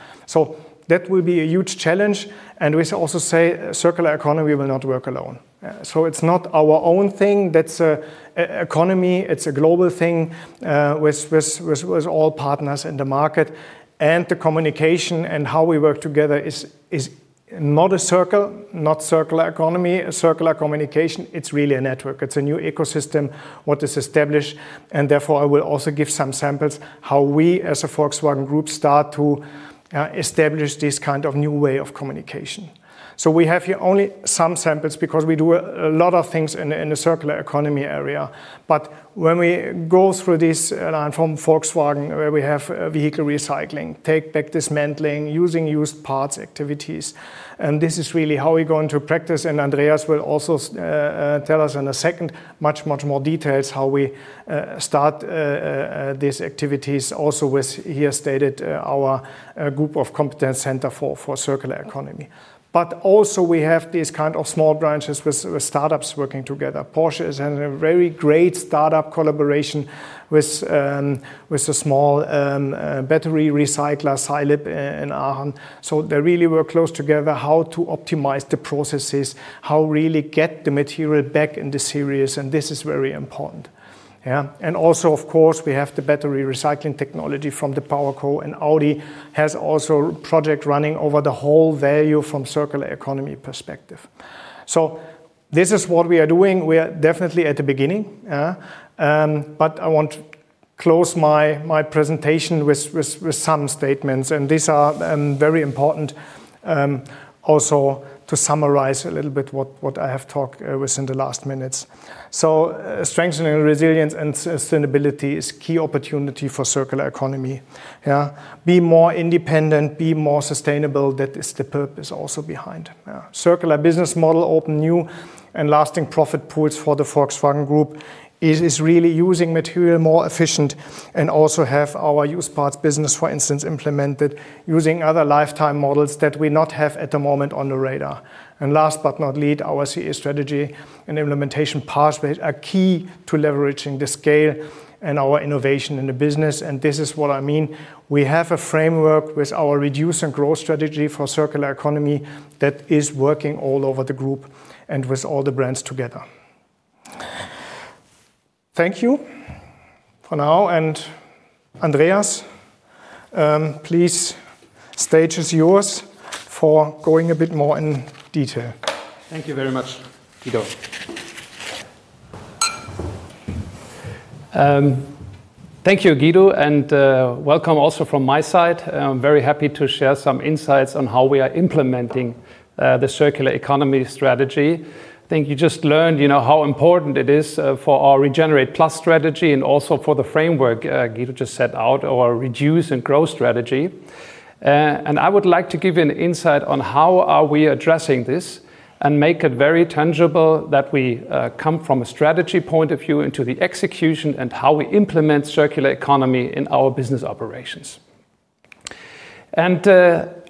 That will be a huge challenge, and we also say circular economy will not work alone. It's not our own thing. That's economy. It's a global thing, with all partners in the market. The communication and how we work together is not a circle, not circular economy, circular communication. It's really a network. It's a new ecosystem, what is established. Therefore, I will also give some samples how we as a Volkswagen Group start to establish this kind of new way of communication. We have here only some samples because we do a lot of things in the circular economy area. When we go through this line from Volkswagen, where we have vehicle recycling, take-back dismantling, using used parts activities, and this is really how we're going to practice, and Andreas will also tell us in a second much, much more details how we start these activities also with, here stated, our group of competence center for circular economy. Also we have these kind of small branches with startups working together. Porsche has a very great startup collaboration with a small battery recycler, Cylib, in Aachen. They really work close together how to optimize the processes, how really get the material back in the series, and this is very important. Also, of course, we have the battery recycling technology from the PowerCo and Audi has also project running over the whole value from circular economy perspective. This is what we are doing. We are definitely at the beginning. I want to close my presentation with some statements, and these are very important, also to summarize a little bit what I have talked with in the last minutes. Strengthening resilience and sustainability is key opportunity for circular economy. Be more independent, be more sustainable, that is the purpose also behind. Circular business model open new and lasting profit pools for the Volkswagen Group is really using material more efficient and also have our used parts business, for instance, implemented using other lifetime models that we not have at the moment on the radar. Last but not least, our CE strategy and implementation pathway are key to leveraging the scale and our innovation in the business, and this is what I mean. We have a framework with our Reduce and Grow Strategy for circular economy that is working all over the Group and with all the brands together. Thank you for now. Andreas Walingen, please, stage is yours for going a bit more in detail. Thank you very much, Guido. Thank you, Guido, and welcome also from my side. I'm very happy to share some insights on how we are implementing the circular economy strategy. I think you just learned how important it is for our regenerate+ strategy and also for the framework Guido just set out, our Reduce and Grow Strategy. I would like to give an insight on how are we addressing this and make it very tangible that we come from a strategy point of view into the execution and how we implement circular economy in our business operations.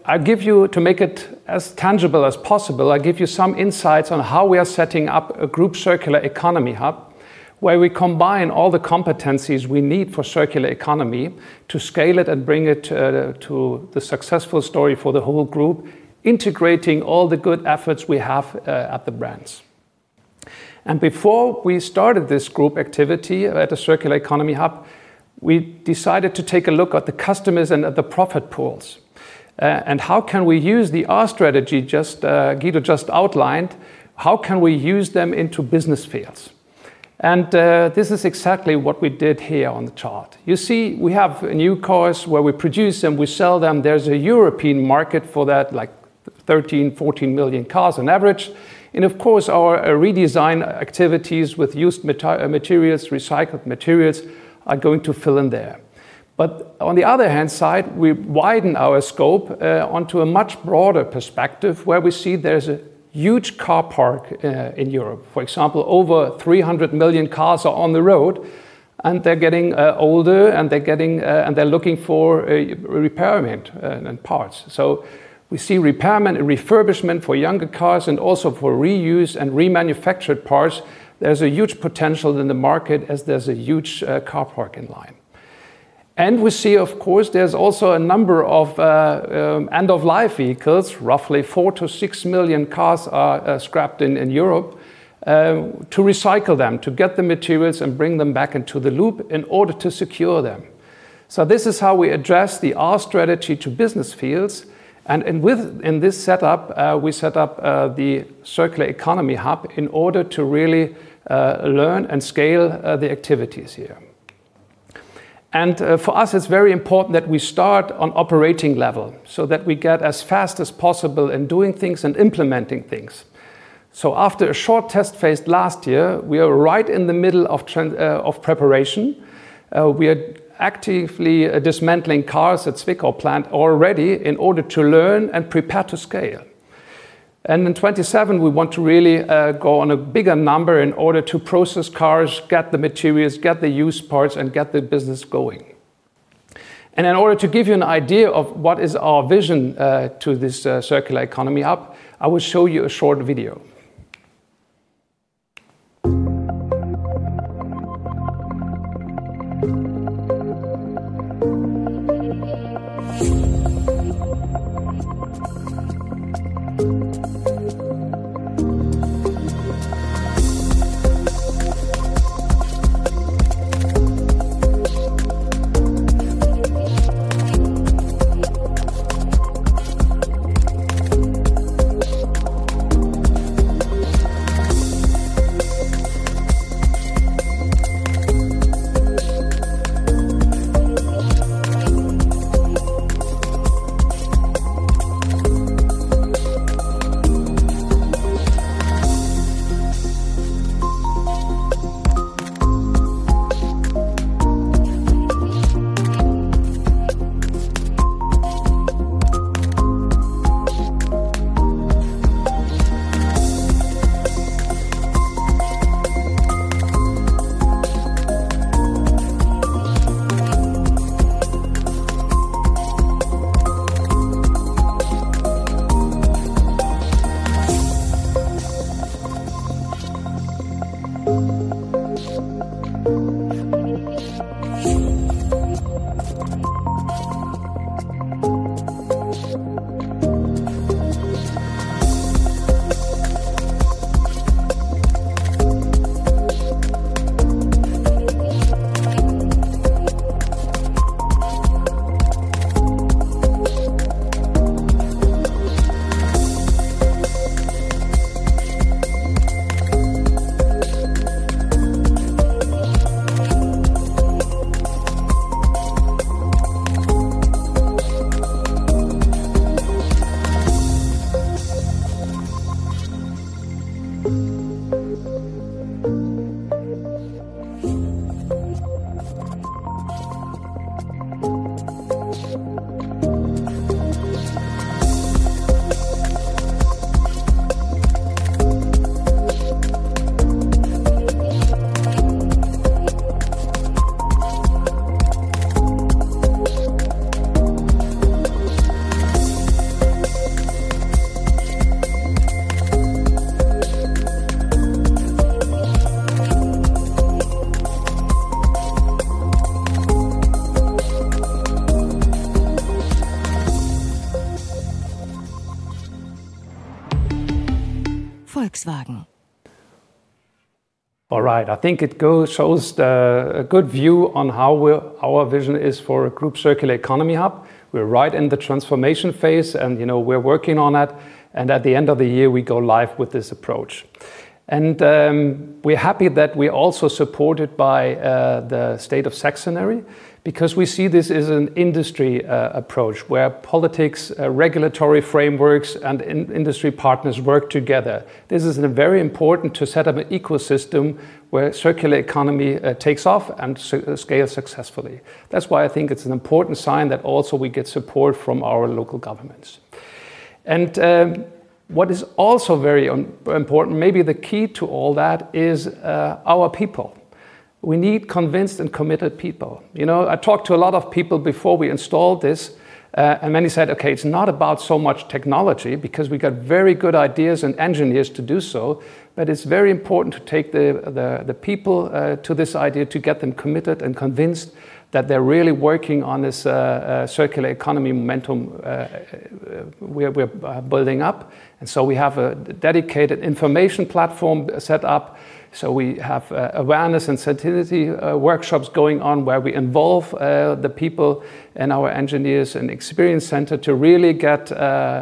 To make it as tangible as possible, I give you some insights on how we are setting up a Group Circular Economy Hub, where we combine all the competencies we need for circular economy to scale it and bring it to the successful story for the whole Group, integrating all the good efforts we have at the brands. Before we started this Group activity at the Group Circular Economy Hub, we decided to take a look at the customers and at the profit pools. How can we use the R strategy Guido just outlined, how can we use them into business fields? This is exactly what we did here on the chart. You see, we have new cars where we produce them, we sell them. There's a European market for that, like 13 million-14 million cars on average. Of course, our redesign activities with used materials, recycled materials, are going to fill in there. On the other hand side, we widen our scope onto a much broader perspective, where we see there's a huge car park in Europe. For example, over 300 million cars are on the road, and they're getting older and they're looking for repairment and parts. We see repairment and refurbishment for younger cars and also for reused and remanufactured parts. There's a huge potential in the market as there's a huge car park in line. We see, of course, there's also a number of end-of-life vehicles, roughly 4 million-6 million cars are scrapped in Europe, to recycle them, to get the materials and bring them back into the loop in order to secure them. This is how we address the R strategy to business fields. In this setup, we set up the Circular Economy Hub in order to really learn and scale the activities here. For us, it's very important that we start on operating level, so that we get as fast as possible in doing things and implementing things. After a short test phase last year, we are right in the middle of preparation. We are actively dismantling cars at Zwickau plant already in order to learn and prepare to scale. In 2027, we want to really go on a bigger number in order to process cars, get the materials, get the used parts, and get the business going. In order to give you an idea of what is our vision to this Circular Economy Hub, I will show you a short video. All right. I think it shows a good view on how our vision is for a Group Circular Economy Hub. We're right in the transformation phase, and we're working on it, and at the end of the year, we go live with this approach. We're happy that we're also supported by the Free State of Saxony because we see this as an industry approach where politics, regulatory frameworks, and industry partners work together. This is very important to set up an ecosystem where circular economy takes off and scales successfully. That's why I think it's an important sign that also we get support from our local governments. What is also very important, maybe the key to all that is our people. We need convinced and committed people. I talked to a lot of people before we installed this, and many said, Okay, it's not about so much technology, because we got very good ideas and engineers to do so, but it's very important to take the people to this idea, to get them committed and convinced that they're really working on this circular economy momentum we're building up. We have a dedicated information platform set up, so we have awareness and sensitivity workshops going on where we involve the people and our engineers and experience center to really get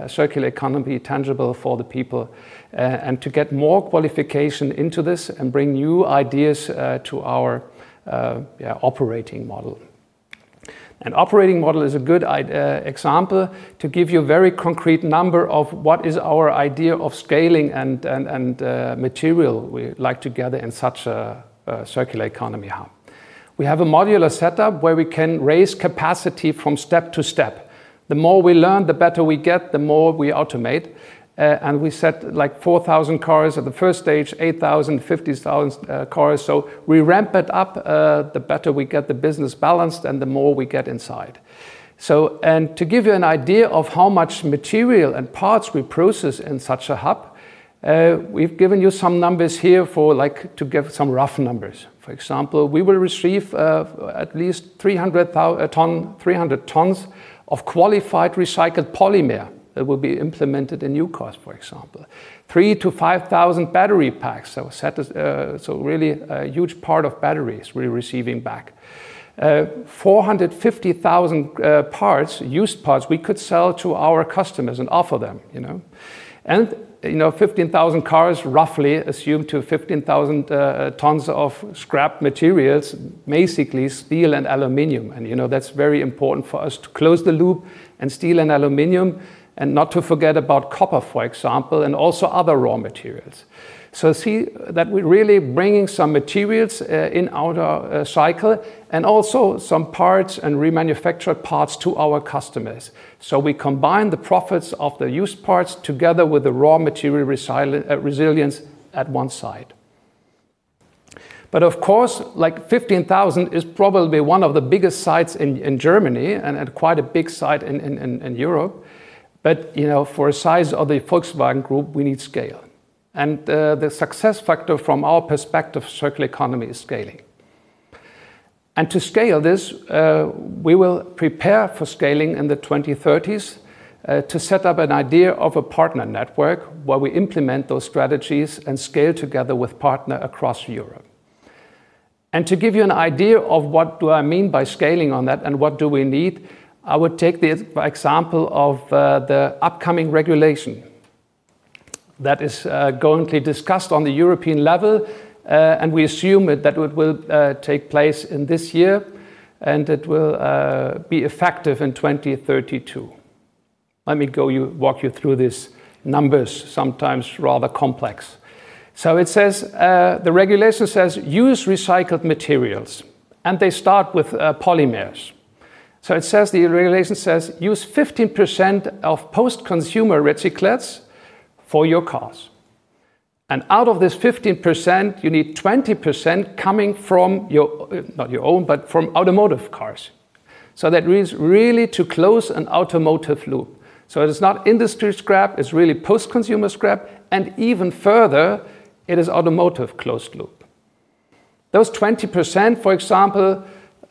circular economy tangible for the people, and to get more qualification into this and bring new ideas to our operating model. Operating model is a good example to give you a very concrete number of what is our idea of scaling and material we like to gather in such a circular economy hub. We have a modular setup where we can raise capacity from step-to-step. The more we learn, the better we get, the more we automate. We set 4,000 cars at stage 1, 8,000, 15,000 cars. We ramp it up, the better we get the business balanced and the more we get inside. To give you an idea of how much material and parts we process in such a hub, we've given you some numbers here to give some rough numbers. For example, we will receive at least 300 tons of qualified recycled polymer that will be implemented in new cars, for example. 3-5,000 battery packs, so really a huge part of batteries we're receiving back. 450,000 used parts we could sell to our customers and offer them. 15,000 cars roughly assumed to 15,000 tons of scrap materials, basically steel and aluminum. That's very important for us to close the loop in steel and aluminum and not to forget about copper, for example, and also other raw materials. See that we're really bringing some materials in our cycle and also some parts and remanufactured parts to our customers. We combine the profits of the used parts together with the raw material resilience at one side. Of course, 15,000 is probably one of the biggest sites in Germany and quite a big site in Europe. For a size of the Volkswagen Group, we need scale. The success factor from our perspective, circular economy is scaling. To scale this, we will prepare for scaling in the 2030s, to set up an idea of a partner network where we implement those strategies and scale together with partner across Europe. To give you an idea of what do I mean by scaling on that and what do we need, I would take the example of the upcoming regulation that is currently discussed on the European level. We assume that it will take place in this year. It will be effective in 2032. Let me walk you through these numbers, sometimes rather complex. The regulation says use recycled materials. They start with polymers. The regulation says use 15% of post-consumer recyclates for your cars. Out of this 15%, you need 20% coming from, not your own, but from automotive cars. That means really to close an automotive loop. It is not industry scrap, it's really post-consumer scrap, and even further, it is automotive closed loop. Those 20%, for example,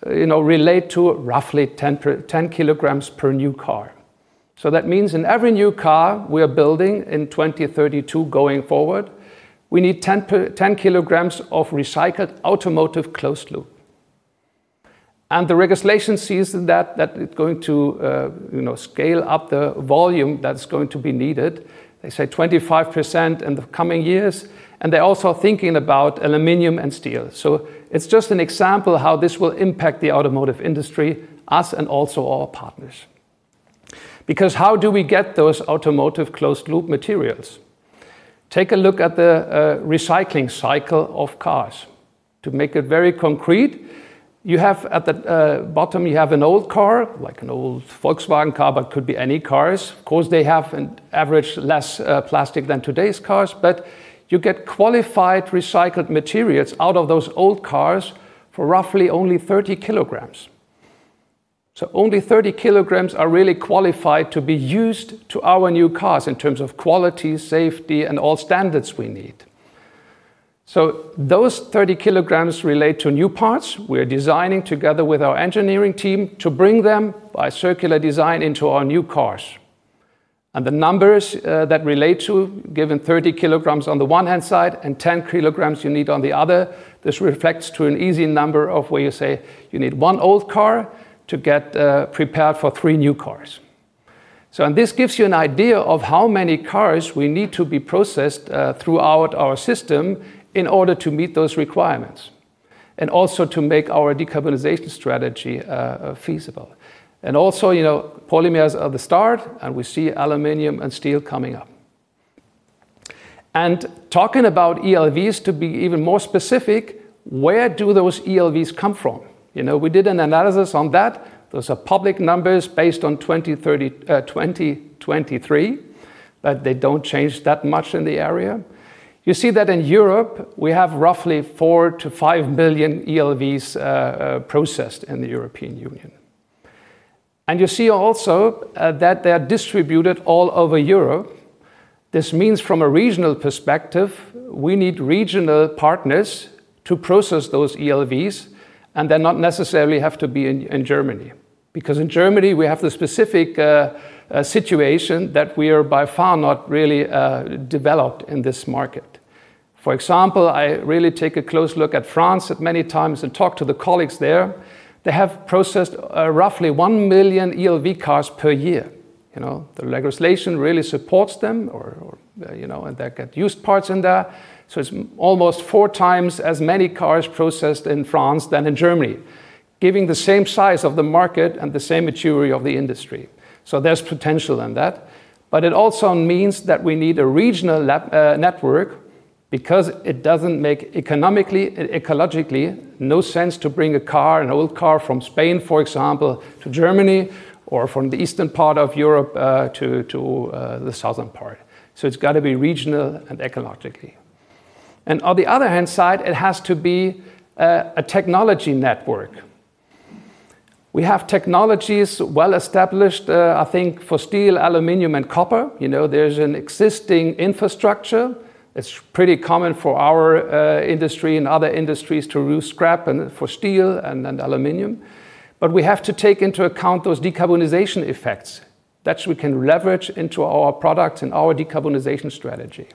relate to roughly 10 kilograms per new car. That means in every new car we are building in 2032 going forward, we need 10 kg of recycled automotive closed loop. The regulation sees that it's going to scale up the volume that's going to be needed. They say 25% in the coming years. They're also thinking about aluminum and steel. It's just an example how this will impact the automotive industry, us, and also our partners. How do we get those automotive closed-loop materials? Take a look at the recycling cycle of cars. To make it very concrete, at the bottom you have an old car, like an old Volkswagen car, but could be any cars. Of course, they have on average less plastic than today's cars, but you get qualified recycled materials out of those old cars for roughly only 30 kg. Only 30 kg are really qualified to be used to our new cars in terms of quality, safety, and all standards we need. Those 30 kg relate to new parts we're designing together with our engineering team to bring them by circular design into our new cars. The numbers that relate to, given 30 kg on the one-hand side and 10 kg you need on the other, this reflects to an easy number of where you say you need one old car to get prepared for three new cars. This gives you an idea of how many cars we need to be processed throughout our system in order to meet those requirements and also to make our decarbonization strategy feasible. Polymers are the start, and we see aluminum and steel coming up. Talking about ELVs to be even more specific, where do those ELVs come from? We did an analysis on that. Those are public numbers based on 2023, but they don't change that much in the area. You see that in Europe, we have roughly 4 billion-5 billion ELVs processed in the European Union. You see also that they are distributed all over Europe. This means from a regional perspective, we need regional partners to process those ELVs, and they not necessarily have to be in Germany. Because in Germany, we have the specific situation that we are by far not really developed in this market. For example, I really take a close look at France at many times and talk to the colleagues there. They have processed roughly 1 million ELV cars per year. The legislation really supports them and they get used parts in there. It's almost 4 times as many cars processed in France than in Germany, given the same size of the market and the same maturity of the industry. There's potential in that, but it also means that we need a regional network because it doesn't make economically, ecologically, no sense to bring a car, an old car from Spain, for example, to Germany or from the eastern part of Europe to the southern part. It's got to be regional and ecologically. On the other hand side, it has to be a technology network. We have technologies well established, I think, for steel, aluminum, and copper. There's an existing infrastructure. It's pretty common for our industry and other industries to use scrap and for steel and aluminum. But we have to take into account those decarbonization effects that we can leverage into our products and our decarbonization strategy.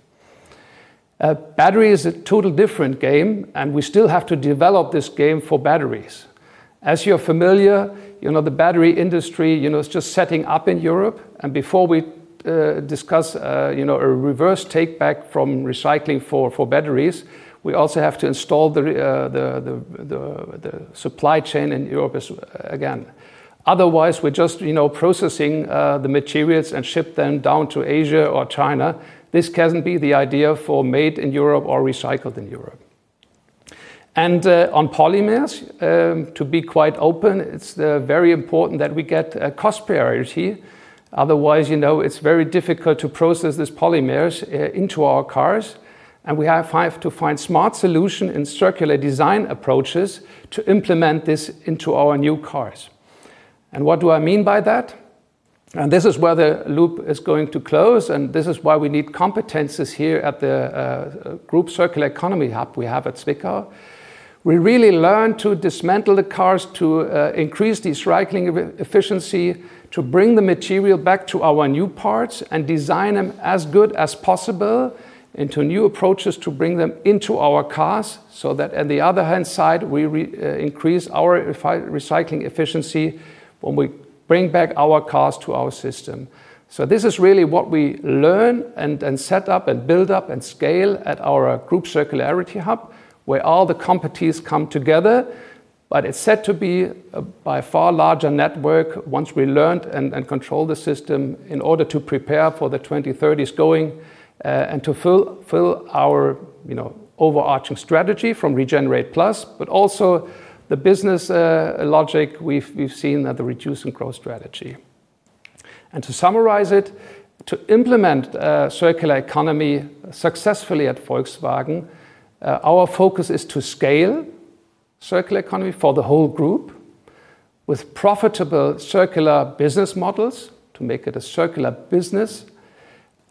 Battery is a total different game, and we still have to develop this game for batteries. As you're familiar, the battery industry is just setting up in Europe. Before we discuss a reverse take back from recycling for batteries, we also have to install the supply chain in Europe again. Otherwise, we're just processing the materials and ship them down to Asia or China. This can't be the idea for made in Europe or recycled in Europe. On polymers, to be quite open, it's very important that we get a cost priority. Otherwise, it's very difficult to process these polymers into our cars, and we have to find smart solution in circular design approaches to implement this into our new cars. What do I mean by that? This is where the loop is going to close, and this is why we need competencies here at the Group Circular Economy Hub we have at Zwickau. We really learn to dismantle the cars to increase the recycling efficiency, to bring the material back to our new parts and design them as good as possible into new approaches to bring them into our cars, so that on the other hand side, we increase our recycling efficiency when we bring back our cars to our system. This is really what we learn and set up and build up and scale at our Group Circularity Hub, where all the companies come together. It's set to be by far larger network once we learned and control the system in order to prepare for the 2030s going, to fill our overarching strategy from regenerate+, also the business logic we've seen that the reduce and grow strategy. To summarize it, to implement circular economy successfully at Volkswagen, our focus is to scale circular economy for the whole group with profitable circular business models to make it a circular business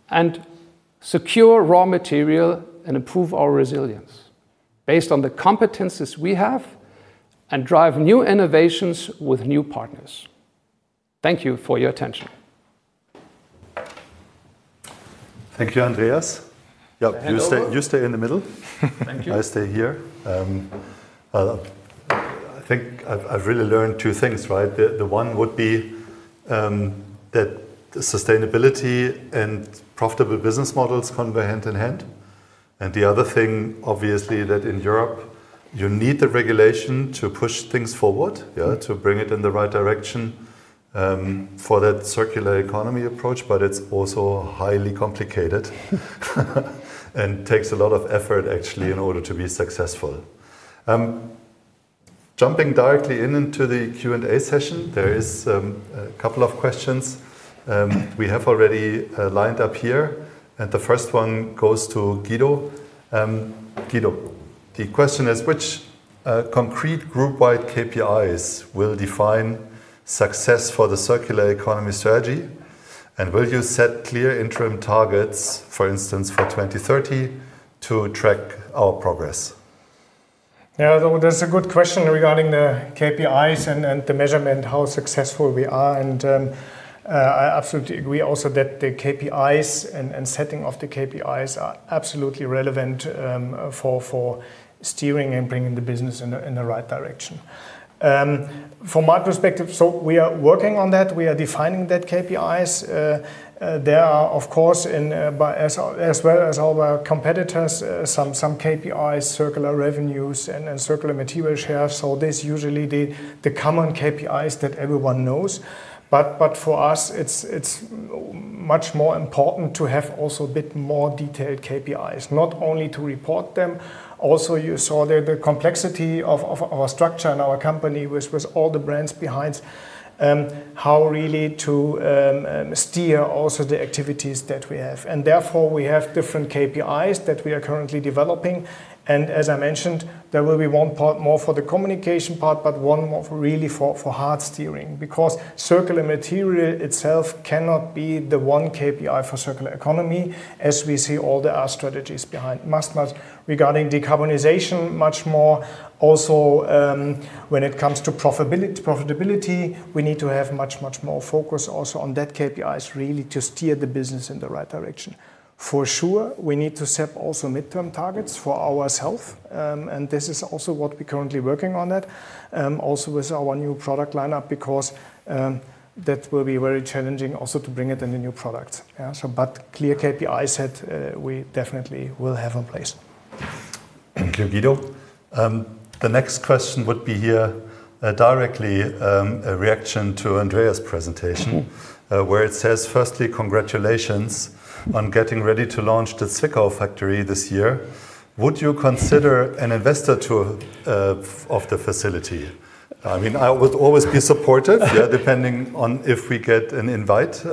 and secure raw material and improve our resilience based on the competencies we have and drive new innovations with new partners. Thank you for your attention. Thank you, Andreas. Yep. Hand over. You stay in the middle. Thank you. I stay here. I think I've really learned two things, right? One would be, that sustainability and profitable business models can go hand in hand. The other thing, obviously, that in Europe, you need the regulation to push things forward- Yeah to bring it in the right direction, for that circular economy approach, but it's also highly complicated and takes a lot of effort, actually, in order to be successful. Jumping directly into the Q&A session, there is a couple of questions we have already lined up here, the first one goes to Guido. Guido, the question is, which concrete group-wide KPIs will define success for the circular economy strategy? Will you set clear interim targets, for instance, for 2030 to track our progress? Yeah, that's a good question regarding the KPIs and the measurement, how successful we are. I absolutely agree also that the KPIs and setting of the KPIs are absolutely relevant for steering and bringing the business in the right direction. From my perspective, we are working on that. We are defining that KPIs. There are, of course, as well as our competitors, some KPIs, circular revenues and circular material shares. There's usually the common KPIs that everyone knows. For us, it's much more important to have also a bit more detailed KPIs, not only to report them. Also, you saw the complexity of our structure and our company with all the brands behind, how really to steer also the activities that we have. Therefore, we have different KPIs that we are currently developing. As I mentioned, there will be one part more for the communication part, but one more really for hard steering, because circular material itself cannot be the one KPI for circular economy, as we see all the strategies behind much more regarding decarbonization, much more also, when it comes to profitability, we need to have much more focus also on that KPI, is really to steer the business in the right direction. For sure, we need to set also midterm targets for ourself. This is also what we're currently working on that, also with our new product lineup, because that will be very challenging also to bring it in the new product. Clear KPI set, we definitely will have in place. Thank you, Guido. The next question would be here directly a reaction to Andreas' presentation, where it says, Firstly, congratulations on getting ready to launch the Zwickau factory this year. Would you consider an investor tour of the facility? I would always be supportive, depending on if we get an invite.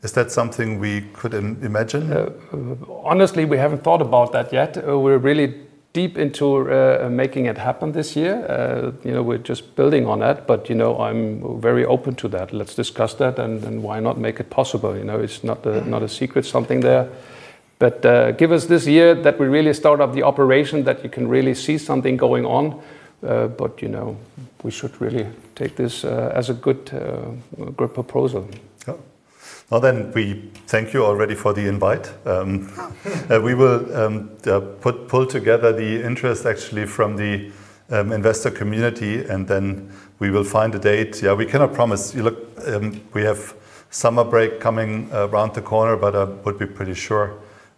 Is that something we could imagine? Honestly, we haven't thought about that yet. We're really deep into making it happen this year. We're just building on that. I'm very open to that. Let's discuss that and why not make it possible? It's not a secret something there. Give us this year that we really start up the operation that you can really see something going on. We should really take this as a good proposal. Yeah. Well then, we thank you already for the invite. We will pull together the interest, actually, from the investor community, and then we will find a date. We cannot promise. Look, we have summer break coming around the corner. I would be pretty sure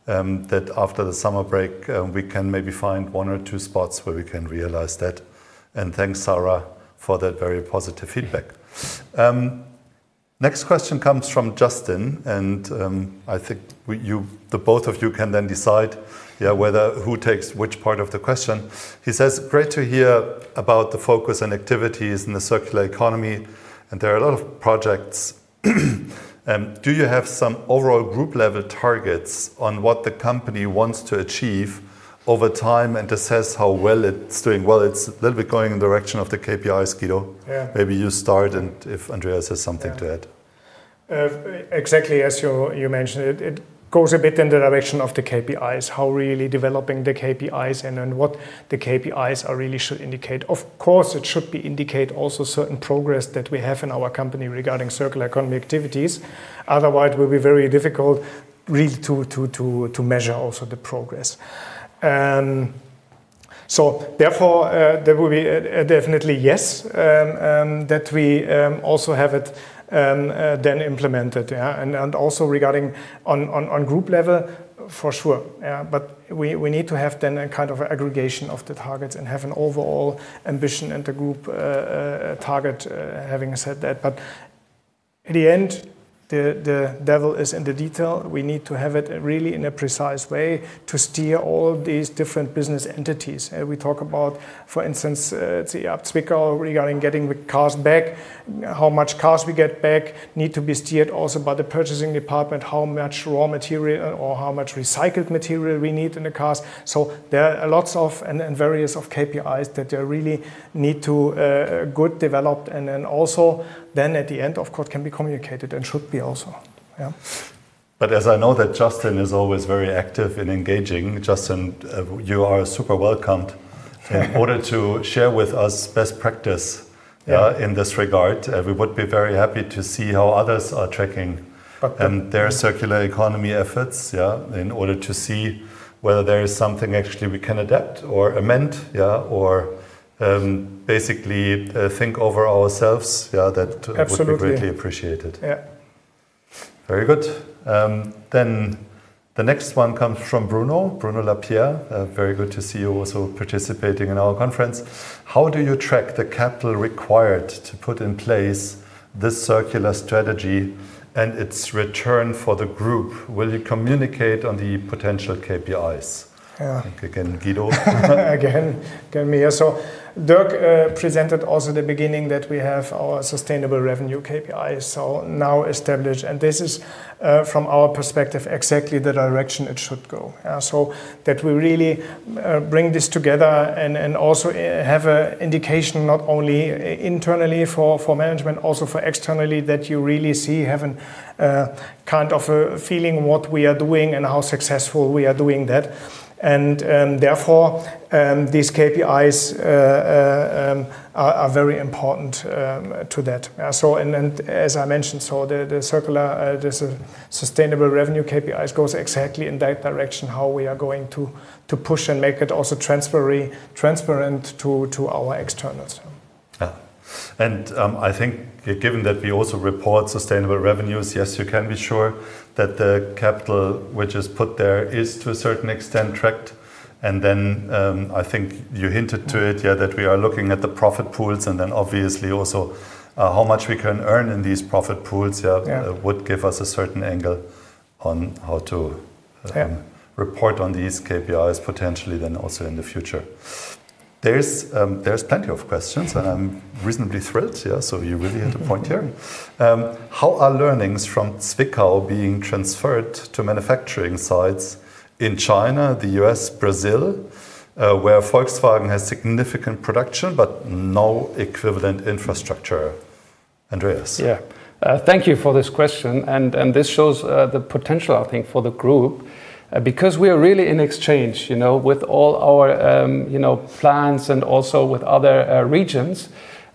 that after the summer break, we can maybe find one or two spots where we can realize that. Thanks, Sarah, for that very positive feedback. Next question comes from Justin. I think the both of you can then decide whether who takes which part of the question. He says, Great to hear about the focus and activities in the circular economy, and there are a lot of projects. Do you have some overall group-level targets on what the company wants to achieve over time and assess how well it's doing? Well, it's a little bit going in the direction of the KPIs, Guido. Yeah. Maybe you start, and if Andreas has something to add. Exactly as you mentioned, it goes a bit in the direction of the KPIs, how we're really developing the KPIs and then what the KPIs really should indicate. Of course, it should indicate also certain progress that we have in our company regarding circular economy activities. Otherwise, it will be very difficult really to measure also the progress. Therefore, there will be a definitely yes, that we also have it then implemented. Also regarding on group level, for sure. We need to have then a kind of aggregation of the targets and have an overall ambition and a group target, having said that. In the end, the devil is in the detail. We need to have it really in a precise way to steer all of these different business entities. We talk about, for instance, Zwickau regarding getting the cars back, how much cars we get back need to be steered also by the purchasing department, how much raw material or how much recycled material we need in the cars. There are lots of, and various of KPIs that really need to good developed and then also then at the end, of course, can be communicated and should be also. As I know that Justin is always very active in engaging, Justin, you are super welcomed in order to share with us best practice in this regard. We would be very happy to see how others are tracking their circular economy efforts in order to see whether there is something actually we can adapt or amend, or basically think over ourselves. Absolutely That would be greatly appreciated. Yeah. Very good. The next one comes from Bruno Lapierre. Very good to see you also participating in our conference. How do you track the capital required to put in place this circular strategy and its return for the group? Will you communicate on the potential KPIs? Yeah. I think again, Guido. Again, me. Dirk presented also the beginning that we have our sustainable revenue KPIs now established. This is, from our perspective, exactly the direction it should go, so that we really bring this together and also have a indication not only internally for management, also for externally that you really see, have a kind of a feeling what we are doing and how successful we are doing that. Therefore, these KPIs are very important to that. As I mentioned, the sustainable revenue KPIs goes exactly in that direction, how we are going to push and make it also transparent to our externals. Yeah. I think given that we also report sustainable revenues, yes, you can be sure that the capital which is put there is to a certain extent tracked. Then I think you hinted to it, that we are looking at the profit pools and then obviously also how much we can earn in these profit pools would give us a certain angle on how to- Yeah report on these KPIs potentially then also in the future. There's plenty of questions. I'm reasonably thrilled. You really hit the point here. How are learnings from Zwickau being transferred to manufacturing sites in China, the U.S., Brazil, where Volkswagen has significant production but no equivalent infrastructure? Andreas. Yeah. Thank you for this question. This shows the potential, I think for the group We are really in exchange with all our plans and also with other regions.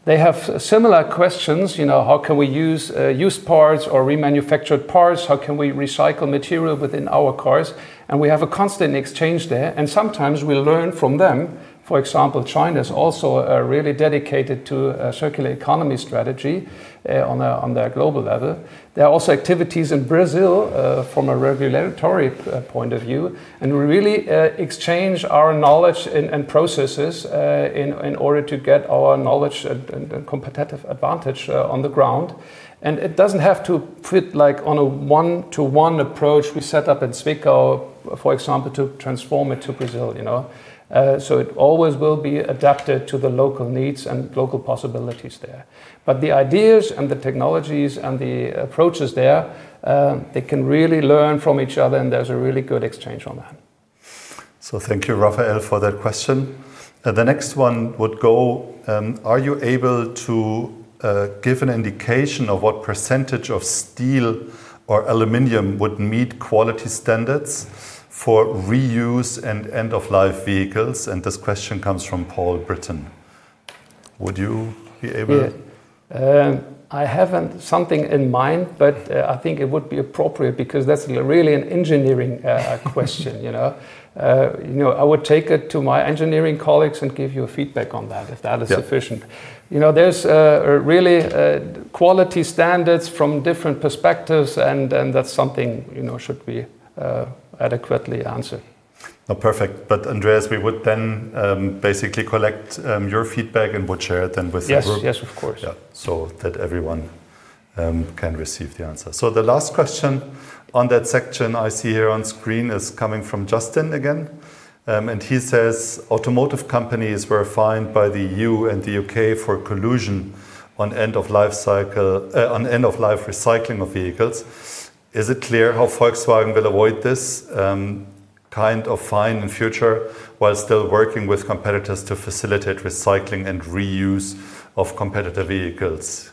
They have similar questions, how can we use used parts or remanufactured parts? How can we recycle material within our cars? We have a constant exchange there, and sometimes we learn from them. For example, China's also really dedicated to a circular economy strategy on their global level. There are also activities in Brazil, from a regulatory point of view, and we really exchange our knowledge and processes in order to get our knowledge and competitive advantage on the ground. It doesn't have to fit on a one-to-one approach we set up in Zwickau, for example, to transform it to Brazil. It always will be adapted to the local needs and local possibilities there. The ideas and the technologies and the approaches there, they can really learn from each other and there's a really good exchange on that. Thank you, Raphael, for that question. The next one would go, are you able to give an indication of what percentage of steel or aluminum would meet quality standards for reuse and end-of-life vehicles? This question comes from Paul Britton. Would you be able? I have something in mind, but I think it would be appropriate because that's really an engineering question. I would take it to my engineering colleagues and give you feedback on that, if that is sufficient. There's really quality standards from different perspectives and that's something should be adequately answered. Perfect. Andreas, we would then basically collect your feedback and would share it then with the group. Yes. Of course. That everyone can receive the answer. The last question on that section I see here on screen is coming from Justin again. He says, Automotive companies were fined by the EU and the U.K. for collusion on end-of-life recycling of vehicles. Is it clear how Volkswagen will avoid this kind of fine in future, while still working with competitors to facilitate recycling and reuse of competitor vehicles?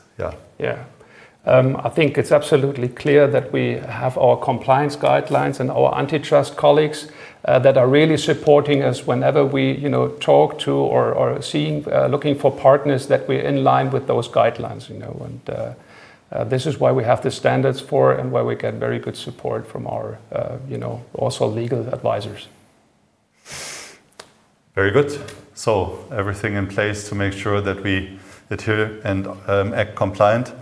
I think it's absolutely clear that we have our compliance guidelines and our antitrust colleagues that are really supporting us whenever we talk to or are looking for partners that we're in line with those guidelines. This is why we have the standards for and why we get very good support from our legal advisors. Very good. Everything in place to make sure that we adhere and act compliant.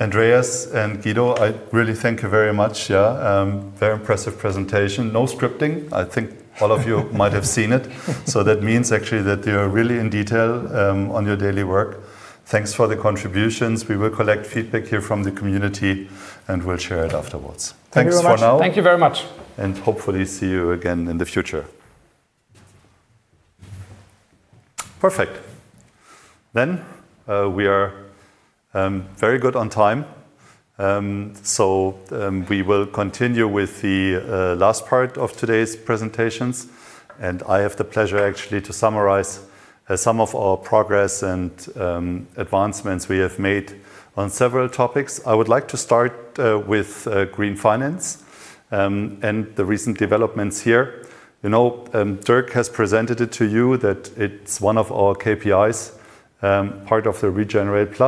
Andreas and Guido, I really thank you very much. Very impressive presentation. No scripting. I think all of you might have seen it. That means actually that you are really in detail on your daily work. Thanks for the contributions. We will collect feedback here from the community, and we will share it afterwards. Thanks for now. Thank you very much. Hopefully see you again in the future. Perfect. We are very good on time. We will continue with the last part of today's presentations, and I have the pleasure actually to summarize some of our progress and advancements we have made on several topics. I would like to start with green finance, and the recent developments here. Dirk has presented it to you that it is one of our KPIs, part of the regenerate+.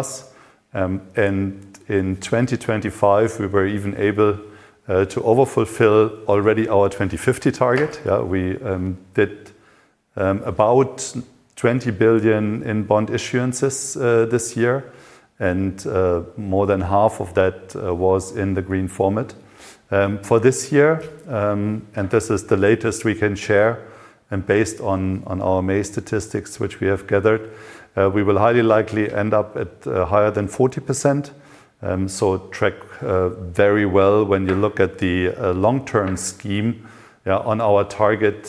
In 2025, we were even able to overfulfill already our 2050 target. We did about 20 billion in bond issuances this year, and more than half of that was in the green format. For this year, and this is the latest we can share, and based on our May statistics which we have gathered, we will highly likely end up at higher than 40%. Track very well when you look at the long-term scheme on our target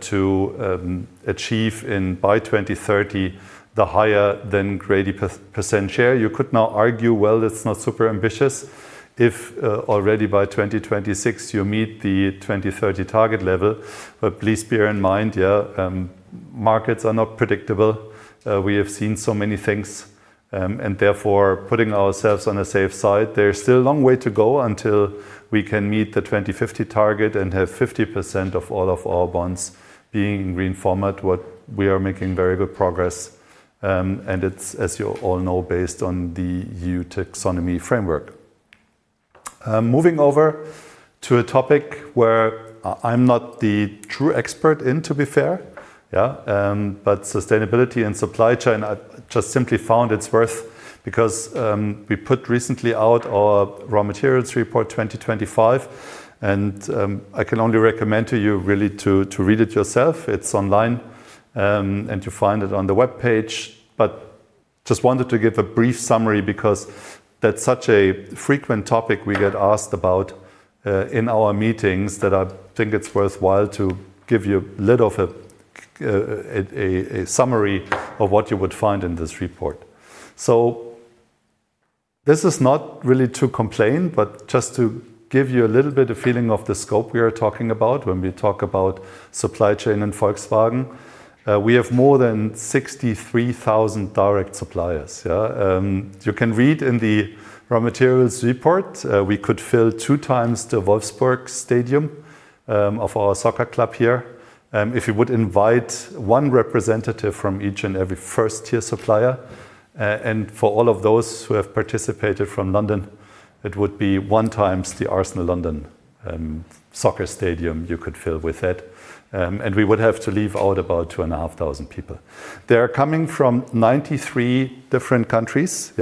to achieve in by 2030, the higher than greater % share. You could now argue, well, it is not super ambitious if already by 2026 you meet the 2030 target level. Please bear in mind, markets are not predictable. We have seen so many things, and therefore putting ourselves on a safe side. There is still a long way to go until we can meet the 2050 target and have 50% of all of our bonds being green format. What we are making very good progress, and it is, as you all know, based on the EU taxonomy framework. Moving over to a topic where I am not the true expert in, to be fair. Sustainability and supply chain, I just simply found it's worth because we put recently out our Raw Materials Report 2025, I can only recommend to you really to read it yourself. It's online, you find it on the webpage. Just wanted to give a brief summary because that's such a frequent topic we get asked about in our meetings that I think it's worthwhile to give you a little of a summary of what you would find in this report. This is not really to complain, but just to give you a little bit of feeling of the scope we are talking about when we talk about supply chain in Volkswagen. We have more than 63,000 direct suppliers. You can read in the Raw Materials Report, we could fill two times the Wolfsburg Stadium of our soccer club here. If you would invite one representative from each and every first-tier supplier, for all of those who have participated from London, it would be one times the Arsenal London soccer stadium you could fill with it, we would have to leave out about 2,500 people. They are coming from 93 different countries.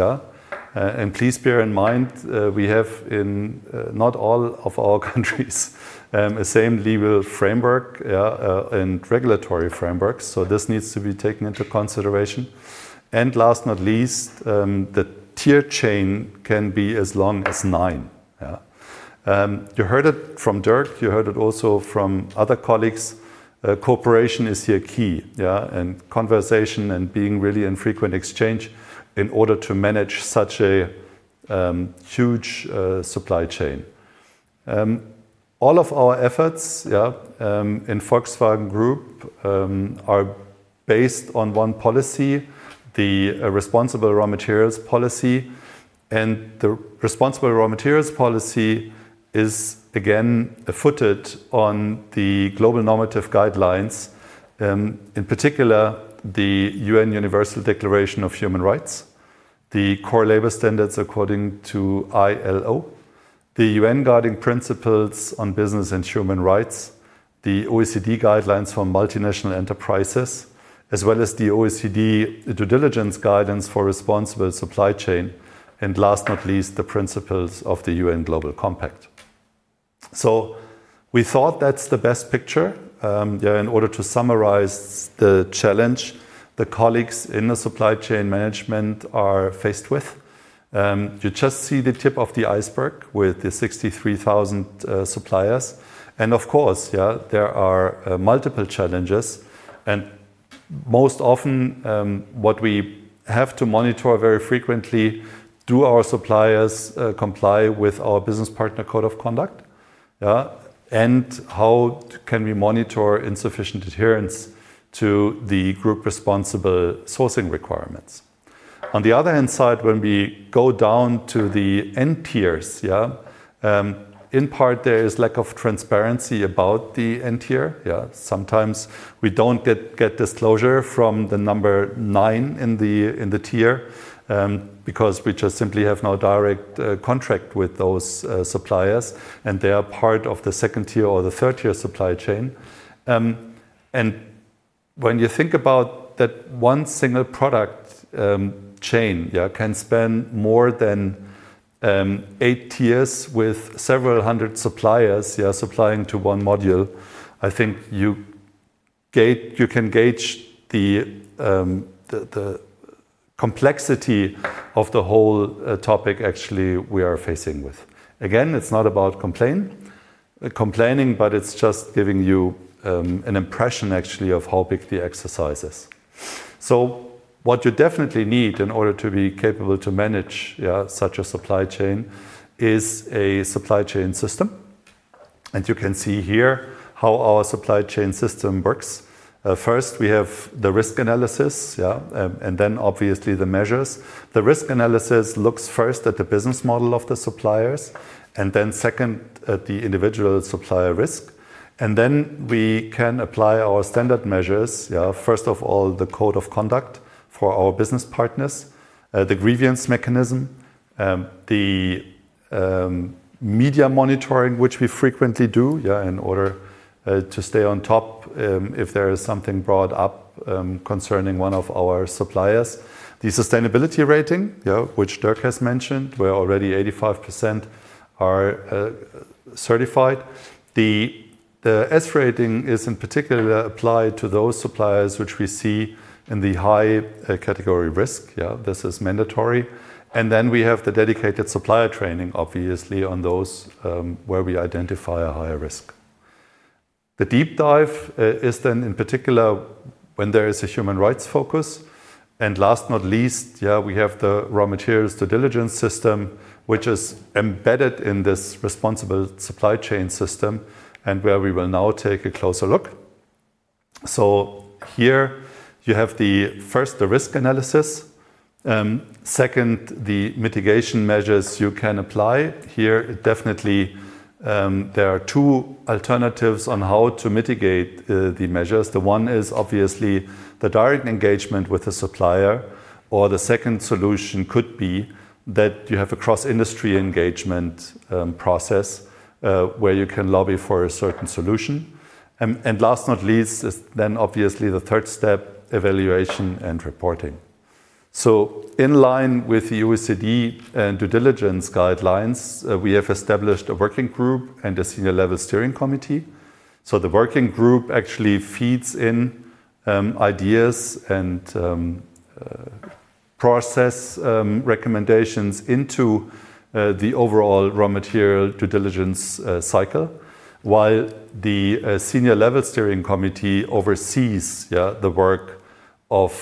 Please bear in mind, we have in not all of our countries the same legal framework and regulatory frameworks, this needs to be taken into consideration. Last not least, the tier chain can be as long as 9. You heard it from Dirk, you heard it also from other colleagues, cooperation is here key, conversation and being really in frequent exchange in order to manage such a huge supply chain. All of our efforts in Volkswagen Group are based on one policy, the Responsible Raw Materials Policy. The Responsible Raw Materials Policy is again footed on the global normative guidelines, in particular, the UN Universal Declaration of Human Rights, the core labor standards according to ILO, the UN Guiding Principles on Business and Human Rights, the OECD Guidelines for Multinational Enterprises, as well as the OECD Due Diligence Guidance for Responsible Supply Chain, last not least, the principles of the UN Global Compact. We thought that's the best picture in order to summarize the challenge the colleagues in the supply chain management are faced with. You just see the tip of the iceberg with the 63,000 suppliers. Of course, there are multiple challenges, most often, what we have to monitor very frequently, do our suppliers comply with our Business Partner Code of Conduct? How can we monitor insufficient adherence to the Group Responsible Sourcing Requirements? On the other hand side, when we go down to the end tiers, in part, there is lack of transparency about the end tier. Sometimes we don't get disclosure from the number nini in the tier because we just simply have no direct contract with those suppliers, they are part of the second tier or the third tier supply chain. When you think about that one single product chain can span more than eight tiers with several hundred suppliers supplying to one module, I think you can gauge the complexity of the whole topic actually we are facing with. Again, it's not about complaining, but it's just giving you an impression, actually, of how big the exercise is. What you definitely need in order to be capable to manage such a supply chain is a supply chain system, and you can see here how our supply chain system works. First, we have the risk analysis, and then obviously the measures. The risk analysis looks first at the business model of the suppliers, and then second at the individual supplier risk. Then we can apply our standard measures. First of all, the code of conduct for our business partners, the grievance mechanism, the media monitoring, which we frequently do in order to stay on top if there is something brought up concerning one of our suppliers. The sustainability rating, which Dirk has mentioned, where already 85% are certified. The S-Rating is in particular applied to those suppliers which we see in the high category risk. This is mandatory. We have the dedicated supplier training, obviously on those where we identify a higher risk. The deep dive is then in particular when there is a human rights focus. Last not least, we have the raw materials due diligence system, which is embedded in this responsible supply chain system, and where we will now take a closer look. Here you have first the risk analysis, second, the mitigation measures you can apply. Here, definitely, there are two alternatives on how to mitigate the measures. The one is obviously the direct engagement with the supplier, or the second solution could be that you have a cross-industry engagement process, where you can lobby for a certain solution. Last not least, then obviously the third step, evaluation and reporting. In line with the OECD and due diligence guidelines, we have established a working group and a senior-level steering committee. The working group actually feeds in ideas and process recommendations into the overall raw material due diligence cycle, while the senior-level steering committee oversees the work of.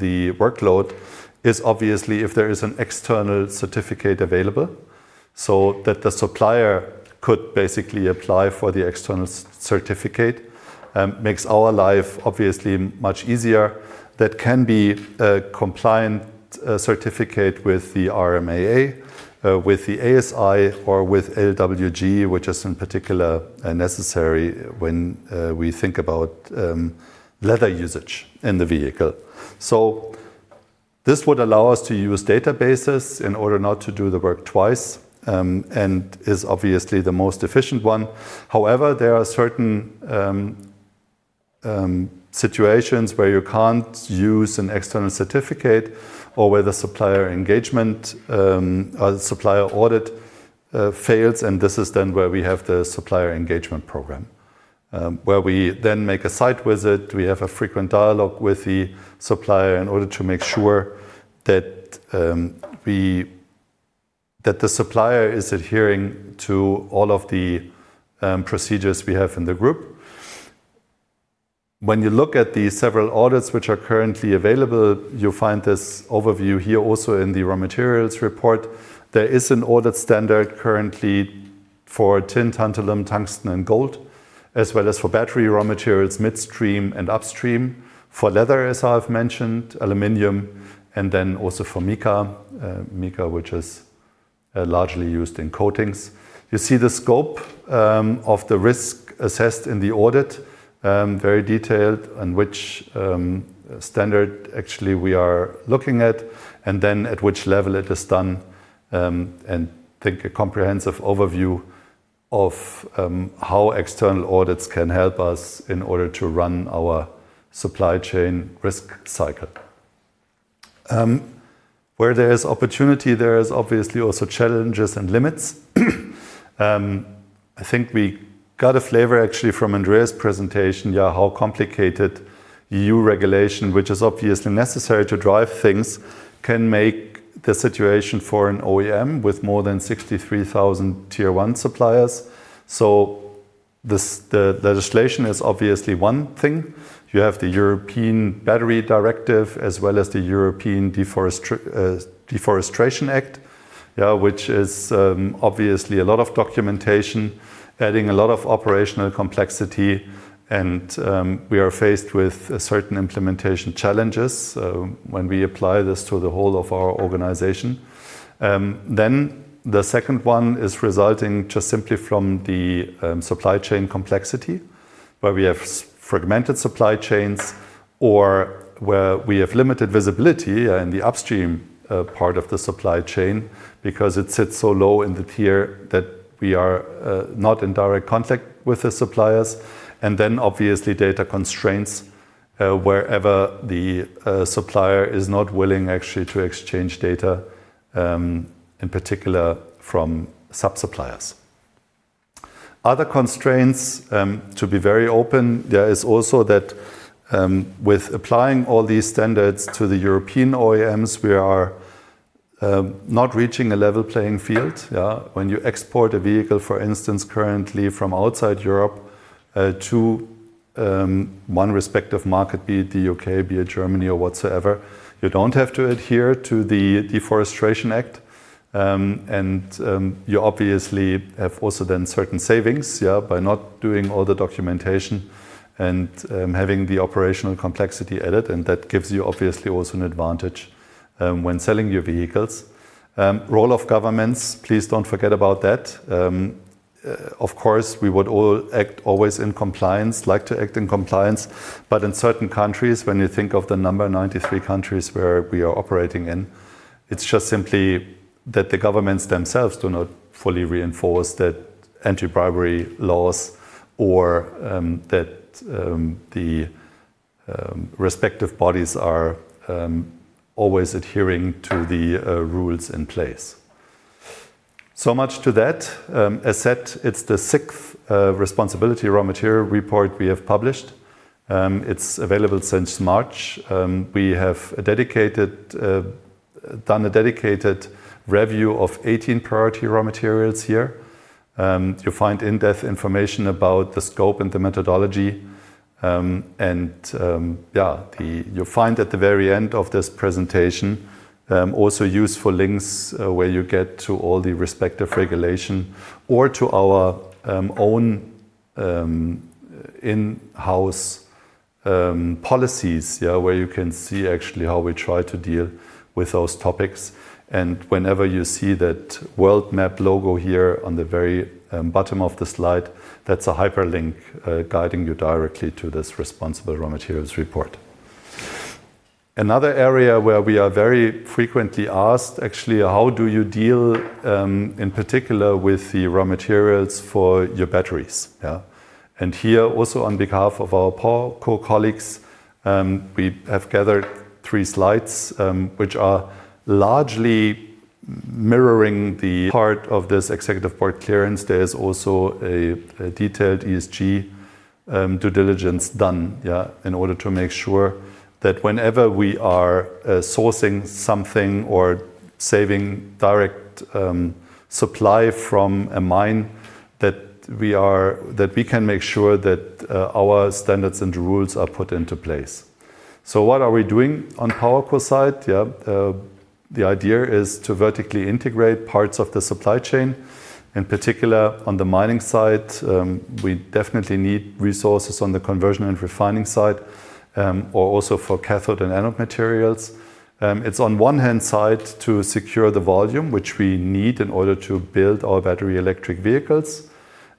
The workload is obviously if there is an external certificate available, so that the supplier could basically apply for the external certificate. Makes our life obviously much easier. That can be a compliant certificate with the RMAP, with the ASI or with LWG, which is in particular necessary when we think about leather usage in the vehicle. This would allow us to use databases in order not to do the work twice, and is obviously the most efficient one. However, there are certain situations where you can't use an external certificate or where the supplier engagement or supplier audit fails, and this is then where we have the supplier engagement program, where we then make a site visit. We have a frequent dialogue with the supplier in order to make sure that the supplier is adhering to all of the procedures we have in the group. When you look at the several audits which are currently available, you'll find this overview here also in the raw materials report. There is an audit standard currently for tin, tantalum, tungsten, and gold, as well as for battery raw materials, midstream and upstream, for leather, as I've mentioned, aluminum, and then also for mica, which is largely used in coatings. You see the scope of the risk assessed in the audit, very detailed, and which standard actually we are looking at, and then at which level it is done, and take a comprehensive overview of how external audits can help us in order to run our supply chain risk cycle. Where there is opportunity, there is obviously also challenges and limits. I think we got a flavor actually from Andreas' presentation, how complicated EU regulation, which is obviously necessary to drive things, can make the situation for an OEM with more than 63,000 Tier 1 suppliers. The legislation is obviously one thing. You have the European Battery Directive as well as the European Deforestation Regulation, which is obviously a lot of documentation, adding a lot of operational complexity, and we are faced with certain implementation challenges when we apply this to the whole of our organization. The second one is resulting just simply from the supply chain complexity, where we have fragmented supply chains or where we have limited visibility in the upstream part of the supply chain because it sits so low in the tier that we are not in direct contact with the suppliers. Data constraints, wherever the supplier is not willing actually to exchange data, in particular from sub-suppliers. Other constraints, to be very open, there is also that with applying all these standards to the European OEMs, we are not reaching a level playing field. When you export a vehicle, for instance, currently from outside Europe to one respective market, be it the U.K., be it Germany or whatsoever, you don't have to adhere to the Deforestation Regulation. You obviously have also then certain savings by not doing all the documentation and having the operational complexity added, and that gives you obviously also an advantage when selling your vehicles. Role of governments, please don't forget about that. Of course, we would all act always in compliance, like to act in compliance. But in certain countries, when you think of the 93 countries where we are operating in, it's just simply that the governments themselves do not fully reinforce that anti-bribery laws or that the respective bodies are always adhering to the rules in place. Much to that. As said, it's the sixth Responsibility Raw Material Report we have published. It's available since March. We have done a dedicated review of 18 priority raw materials here. You'll find in-depth information about the scope and the methodology. You'll find at the very end of this presentation also useful links where you get to all the respective regulation or to our own in-house policies, where you can see actually how we try to deal with those topics. Whenever you see that world map logo here on the very bottom of the slide, that's a hyperlink guiding you directly to this responsible raw materials report. Another area where we are very frequently asked, actually, how do you deal in particular with the raw materials for your batteries? Here also on behalf of our PowerCo colleagues, we have gathered three slides, which are largely mirroring the part of this executive board clearance. There is also a detailed ESG due diligence done in order to make sure that whenever we are sourcing something or sourcing direct supply from a mine, that we can make sure that our standards and rules are put into place. What are we doing on PowerCo side? The idea is to vertically integrate parts of the supply chain, in particular on the mining side. We definitely need resources on the conversion and refining side, or also for cathode and anode materials. It's on one hand side to secure the volume which we need in order to build our battery electric vehicles.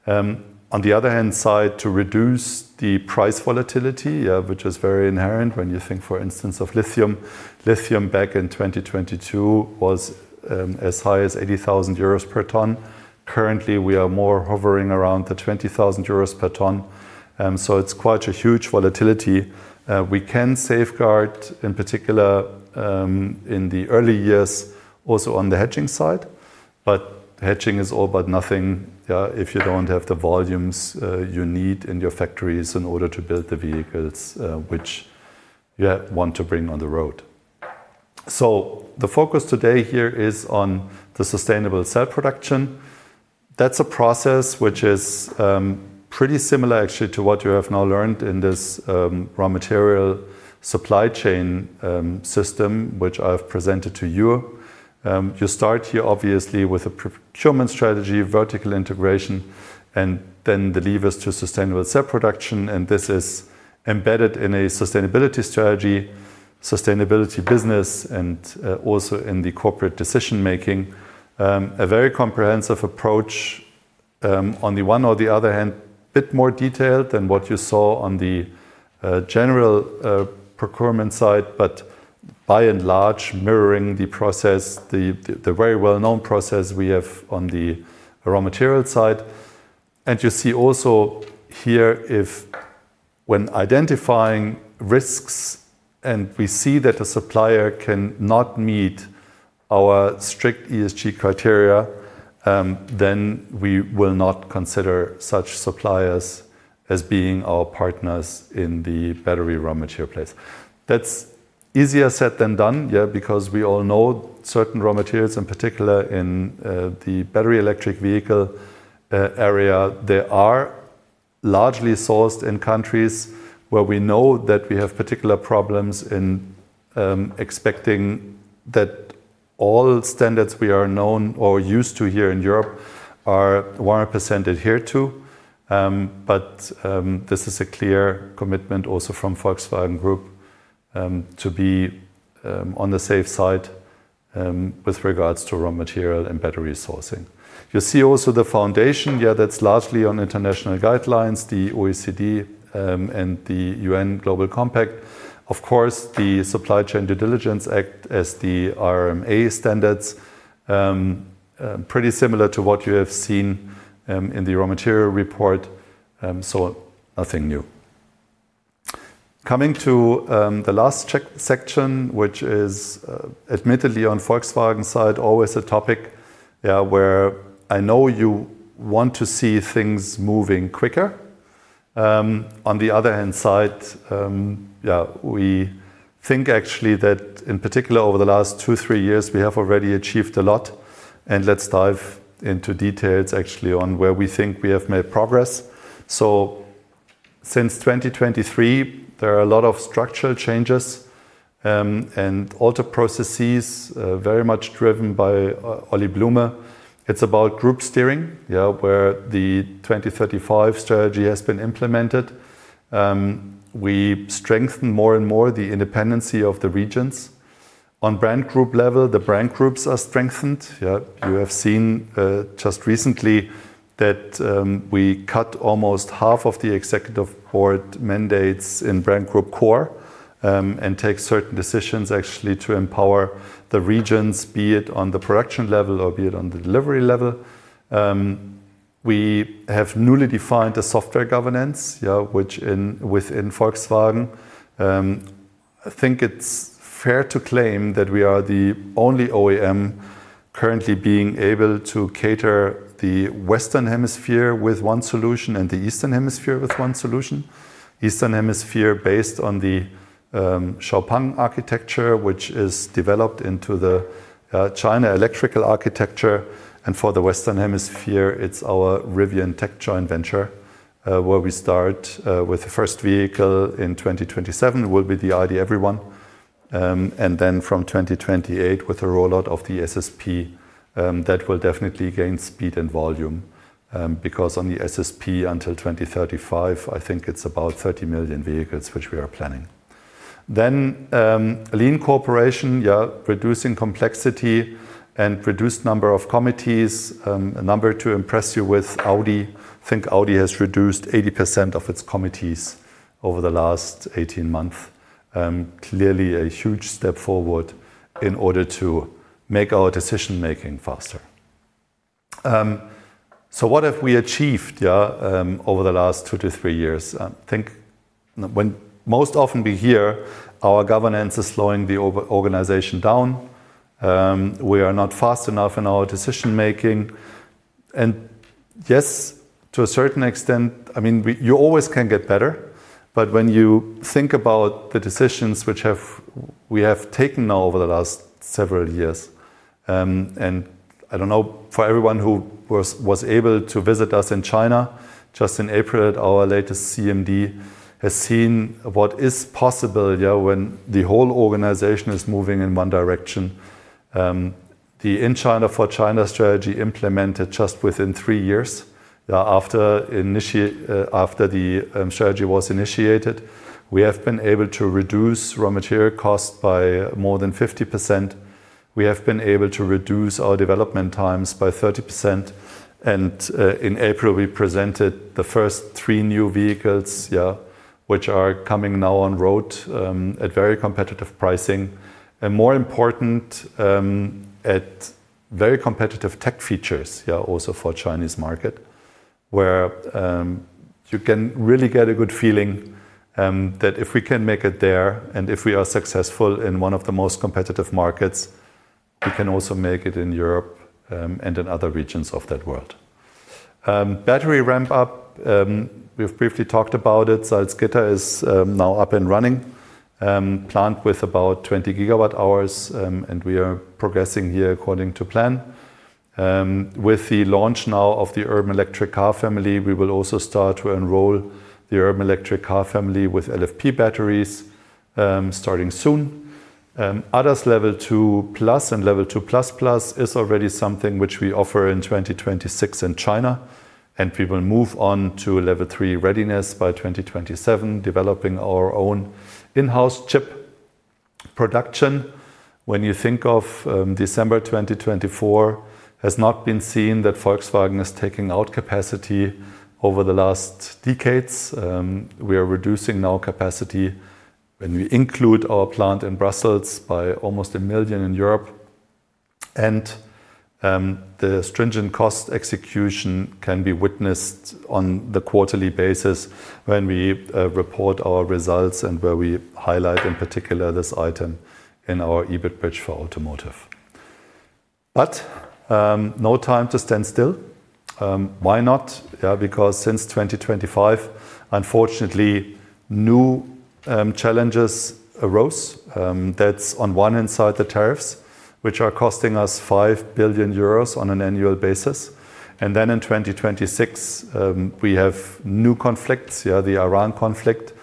On the other hand side, to reduce the price volatility, which is very inherent when you think, for instance, of lithium. Lithium back in 2022 was as high as 80,000 euros per tonne. Currently, we are more hovering around the 20,000 euros per tonne, so it's quite a huge volatility. We can safeguard, in particular, in the early years, also on the hedging side, but hedging is all but nothing if you don't have the volumes you need in your factories in order to build the vehicles which you want to bring on the road. The focus today here is on the sustainable cell production. That's a process which is pretty similar, actually, to what you have now learned in this raw material supply chain system, which I've presented to you. You start here, obviously, with a procurement strategy, vertical integration, and then the levers to sustainable cell production, and this is embedded in a sustainability strategy, sustainability business, and also in the corporate decision-making. A very comprehensive approach, on the one or the other hand, bit more detailed than what you saw on the general procurement side, but by and large, mirroring the very well-known process we have on the raw material side. You see also here, when identifying risks and we see that a supplier cannot meet our strict ESG criteria, then we will not consider such suppliers as being our partners in the battery raw material place. That's easier said than done, because we all know certain raw materials, in particular in the battery electric vehicle area, they are largely sourced in countries where we know that we have particular problems in expecting that all standards we are known or used to here in Europe are 100% adhered to. But this is a clear commitment also from Volkswagen Group to be on the safe side with regards to raw material and battery sourcing. You see also the foundation. That's largely on international guidelines, the OECD, and the UN Global Compact. Of course, the Supply Chain Due Diligence Act as the RMAP standards. Pretty similar to what you have seen in the raw material report, so nothing new. Coming to the last section, which is admittedly on Volkswagen side, always a topic where I know you want to see things moving quicker. On the other hand side, we think actually that in particular over the last two, three years, we have already achieved a lot, and let's dive into details, actually, on where we think we have made progress. Since 2023, there are a lot of structural changes, and alter processes, very much driven by Oli Blume. It's about group steering, where the 2035 strategy has been implemented. We strengthen more and more the independency of the regions. On brand group level, the brand groups are strengthened. You have seen just recently that we cut almost half of the executive board mandates in brand group core, and take certain decisions, actually, to empower the regions, be it on the production level or be it on the delivery level. We have newly defined a software governance within Volkswagen. I think it's fair to claim that we are the only OEM currently being able to cater the Western Hemisphere with one solution and the Eastern Hemisphere with one solution. Eastern Hemisphere based on the XPeng architecture, which is developed into the China electrical architecture. For the Western Hemisphere, it's our Rivian tech joint venture, where we start with the first vehicle in 2027 will be the ID. EVERY1. From 2028, with the rollout of the SSP, that will definitely gain speed and volume, because on the SSP, until 2035, I think it's about 30 million vehicles which we are planning. Lean corporation, reducing complexity and reduced number of committees. A number to impress you with Audi. I think Audi has reduced 80% of its committees over the last 18 months. Clearly a huge step forward in order to make our decision-making faster. What have we achieved over the last 2 to 3 years? I think most often we hear our governance is slowing the organization down. We are not fast enough in our decision-making. Yes, to a certain extent, you always can get better, but when you think about the decisions which we have taken now over the last several years, and I don't know for everyone who was able to visit us in China just in April at our latest CMD, has seen what is possible when the whole organization is moving in one direction. The In China, for China strategy implemented just within three years after the strategy was initiated. We have been able to reduce raw material costs by more than 50%. We have been able to reduce our development times by 30%, and in April, we presented the first three new vehicles, which are coming now on road at very competitive pricing. More important, at very competitive tech features also for Chinese market, where you can really get a good feeling that if we can make it there, and if we are successful in one of the most competitive markets, we can also make it in Europe, and in other regions of the world. Battery ramp-up, we've briefly talked about it. Salzgitter is now up and running, a plant with about 20 GWh, and we are progressing here according to plan. With the launch now of the Electric Urban Car Family, we will also start to enroll the Electric Urban Car Family with LFP batteries, starting soon. ADAS Level 2+ and Level 2++ is already something which we offer in 2026 in China, and we will move on to Level 3 readiness by 2027, developing our own in-house chip production. When you think of December 2024, has not been seen that Volkswagen is taking out capacity over the last decades. We are reducing now capacity when we include our plant in Brussels by almost 1 million in Europe. The stringent cost execution can be witnessed on the quarterly basis when we report our results and where we highlight in particular this item in our EBIT bridge for automotive. No time to stand still. Why not? Since 2025, unfortunately, new challenges arose. That is on one hand side the tariffs, which are costing us 5 billion euros on an annual basis. In 2026, we have new conflicts, the Iran conflict.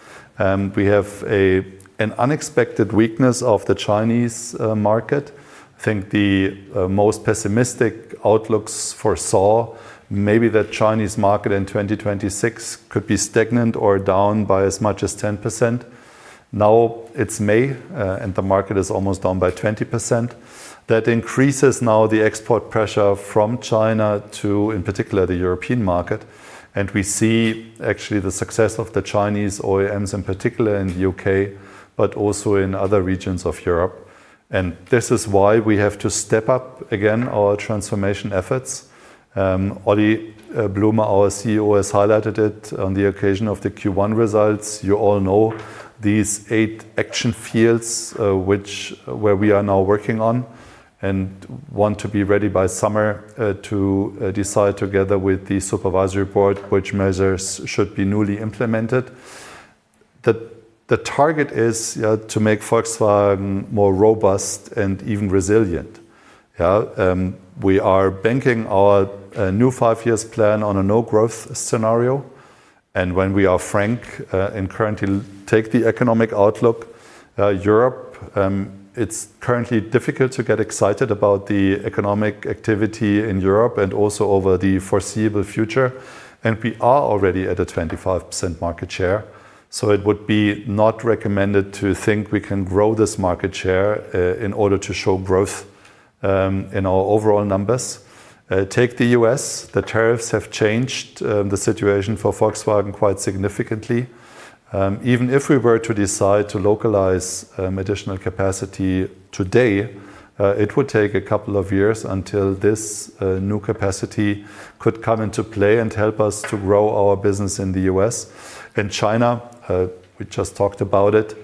We have an unexpected weakness of the Chinese market. I think the most pessimistic outlooks foresaw maybe the Chinese market in 2026 could be stagnant or down by as much as 10%. Now it is May, the market is almost down by 20%. That increases now the export pressure from China to, in particular, the European market. We see actually the success of the Chinese OEMs, in particular in the U.K., but also in other regions of Europe. This is why we have to step up again our transformation efforts. Oli Blume, our CEO, has highlighted it on the occasion of the Q1 results. You all know these eight action fields, where we are now working on and want to be ready by summer to decide together with the Supervisory Board which measures should be newly implemented. The target is to make Volkswagen more robust and even resilient. We are banking our new five-year plan on a no-growth scenario. When we are frank and currently take the economic outlook, it is currently difficult to get excited about the economic activity in Europe and also over the foreseeable future. We are already at a 25% market share, so it would be not recommended to think we can grow this market share in order to show growth in our overall numbers. Take the U.S., the tariffs have changed the situation for Volkswagen quite significantly. Even if we were to decide to localize additional capacity today, it would take a couple of years until this new capacity could come into play and help us to grow our business in the U.S. In China, we just talked about it.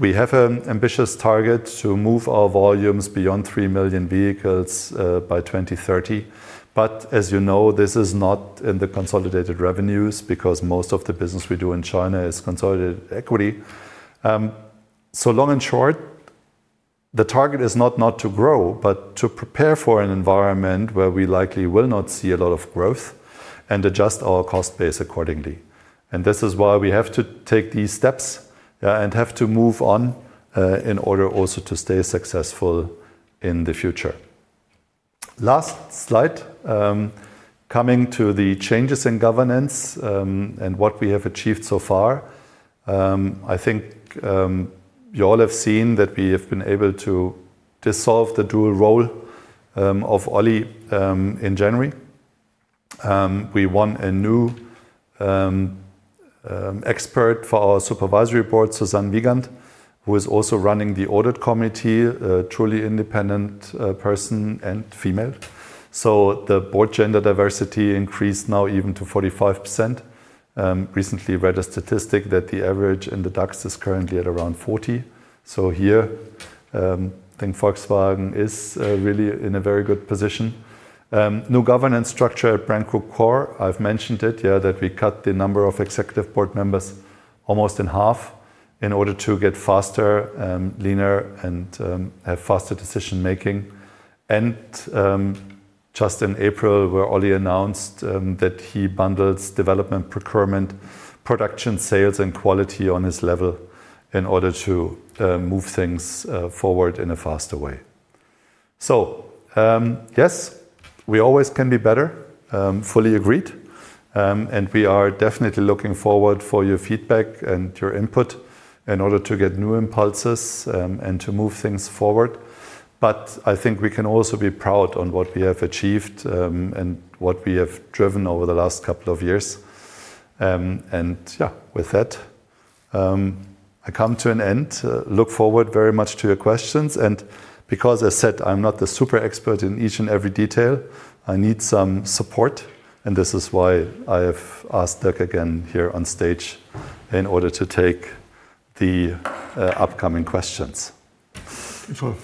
We have an ambitious target to move our volumes beyond 3 million vehicles by 2030. As you know, this is not in the consolidated revenues because most of the business we do in China is consolidated equity. Long and short, the target is not to grow, but to prepare for an environment where we likely will not see a lot of growth and adjust our cost base accordingly. This is why we have to take these steps and have to move on, in order also to stay successful in the future. Last slide. Coming to the changes in governance, and what we have achieved so far. I think you all have seen that we have been able to dissolve the dual role of Oli in January. We won a new expert for our Supervisory Board, Susanne Wiegand, who is also running the Audit Committee, a truly independent person and female. The board gender diversity increased now even to 45%. Recently read a statistic that the average in the DAX is currently at around 40. Here, I think Volkswagen is really in a very good position. New governance structure at brand group core, I've mentioned it, that we cut the number of executive board members almost in half in order to get faster, leaner and have faster decision-making. Just in April, where Oli announced that he bundles development, procurement, production, sales, and quality on his level in order to move things forward in a faster way. Yes, we always can be better, fully agreed. We are definitely looking forward for your feedback and your input in order to get new impulses, and to move things forward. I think we can also be proud on what we have achieved, and what we have driven over the last couple of years. With that, I come to an end. Look forward very much to your questions. Because I said I'm not the super expert in each and every detail, I need some support, and this is why I have asked Dirk again here on stage in order to take the upcoming questions. Sure.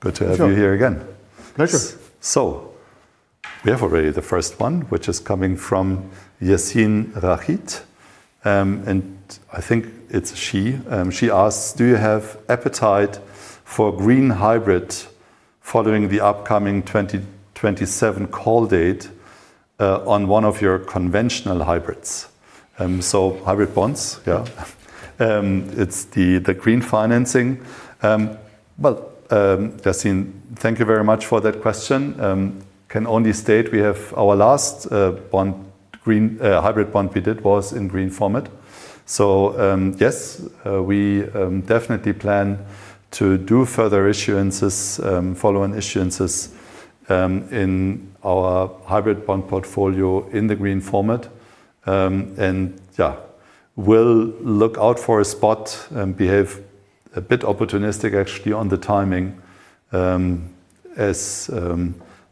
Good to have you here again. Pleasure. We have already the first one, which is coming from Yasin Rashid, and I think it's a she. She asks, Do you have appetite for green hybrid following the upcoming 2027 call date on one of your conventional hybrids? Hybrid bonds, yeah. It's the green financing. Well, Yasin, thank you very much for that question. Can only state we have our last hybrid bond we did was in green format. Yes, we definitely plan to do further issuances, following issuances in our hybrid bond portfolio in the green format. Yeah, we'll look out for a spot and behave a bit opportunistic actually on the timing, as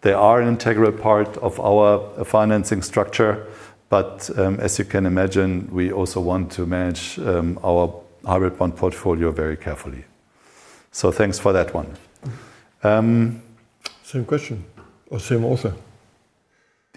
they are an integral part of our financing structure. As you can imagine, we also want to manage our hybrid bond portfolio very carefully. Thanks for that one. Same question or same author.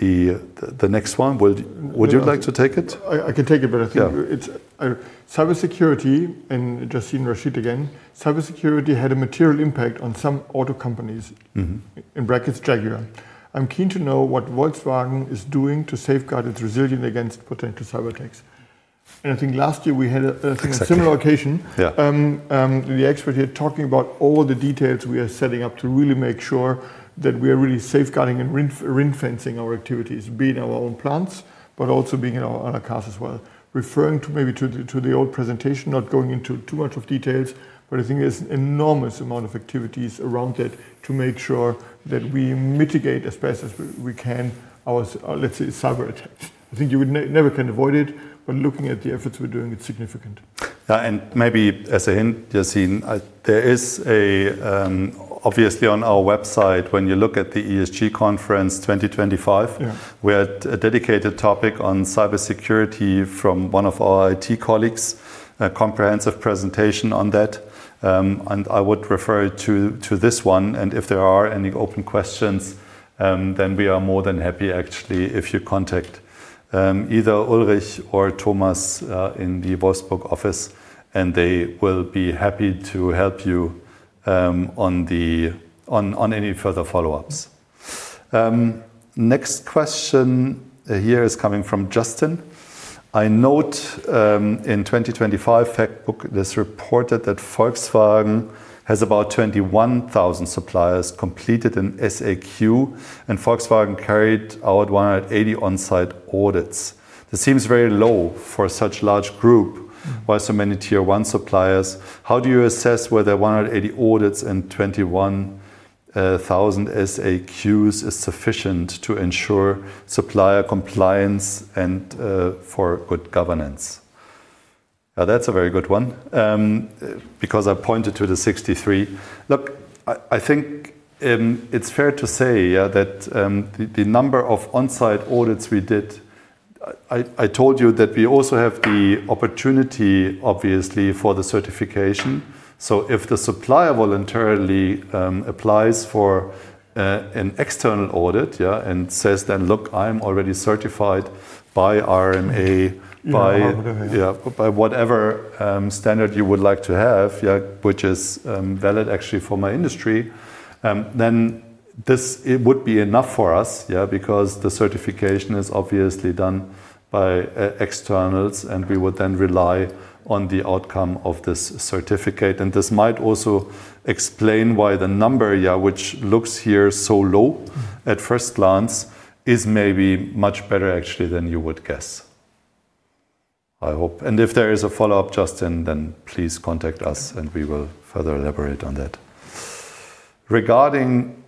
The next one, would you like to take it? I can take it, I think- Yeah cybersecurity and Yasin Rashid again. Cybersecurity had a material impact on some auto companies, in brackets Jaguar. I'm keen to know what Volkswagen is doing to safeguard its resilience against potential cyber attacks. I think last year we had a- Exactly similar occasion. Yeah. The expert here talking about all the details we are setting up to really make sure that we are really safeguarding and ring-fencing our activities, be it in our own plants, but also be it in our cars as well. Referring to maybe to the old presentation, not going into too much of details, but I think there's enormous amount of activities around it to make sure that we mitigate as best as we can our, let's say, cyber attacks. I think you would never can avoid it, but looking at the efforts we're doing, it's significant. Yeah. Maybe as a hint, Yasin, there is obviously on our website, when you look at the ESG Conference 2025- Yeah We had a dedicated topic on cybersecurity from one of our IT colleagues, a comprehensive presentation on that. I would refer you to this one. If there are any open questions, then we are more than happy actually if you contact either Ulrich or Thomas in the Wolfsburg office, and they will be happy to help you on any further follow-ups. Next question here is coming from Justin. I note, in 2025 Factbook, it is reported that Volkswagen has about 21,000 suppliers completed an SAQ, and Volkswagen carried out 180 on-site audits. This seems very low for such large group with so many Tier 1 suppliers. How do you assess whether 180 audits and 21,000 SAQs is sufficient to ensure supplier compliance and for good governance? That's a very good one, because I pointed to the 63. Look, I think it's fair to say that the number of on-site audits we did, I told you that we also have the opportunity, obviously, for the certification. If the supplier voluntarily applies for an external audit and says then, Look, I'm already certified by RMA by- Yeah, by whatever standard you would like to have, which is valid actually for my industry, then this would be enough for us, because the certification is obviously done by externals, and we would then rely on the outcome of this certificate. This might also explain why the number which looks here so low at first glance is maybe much better actually than you would guess, I hope. If there is a follow-up, Justin, then please contact us and we will further elaborate on that. Regarding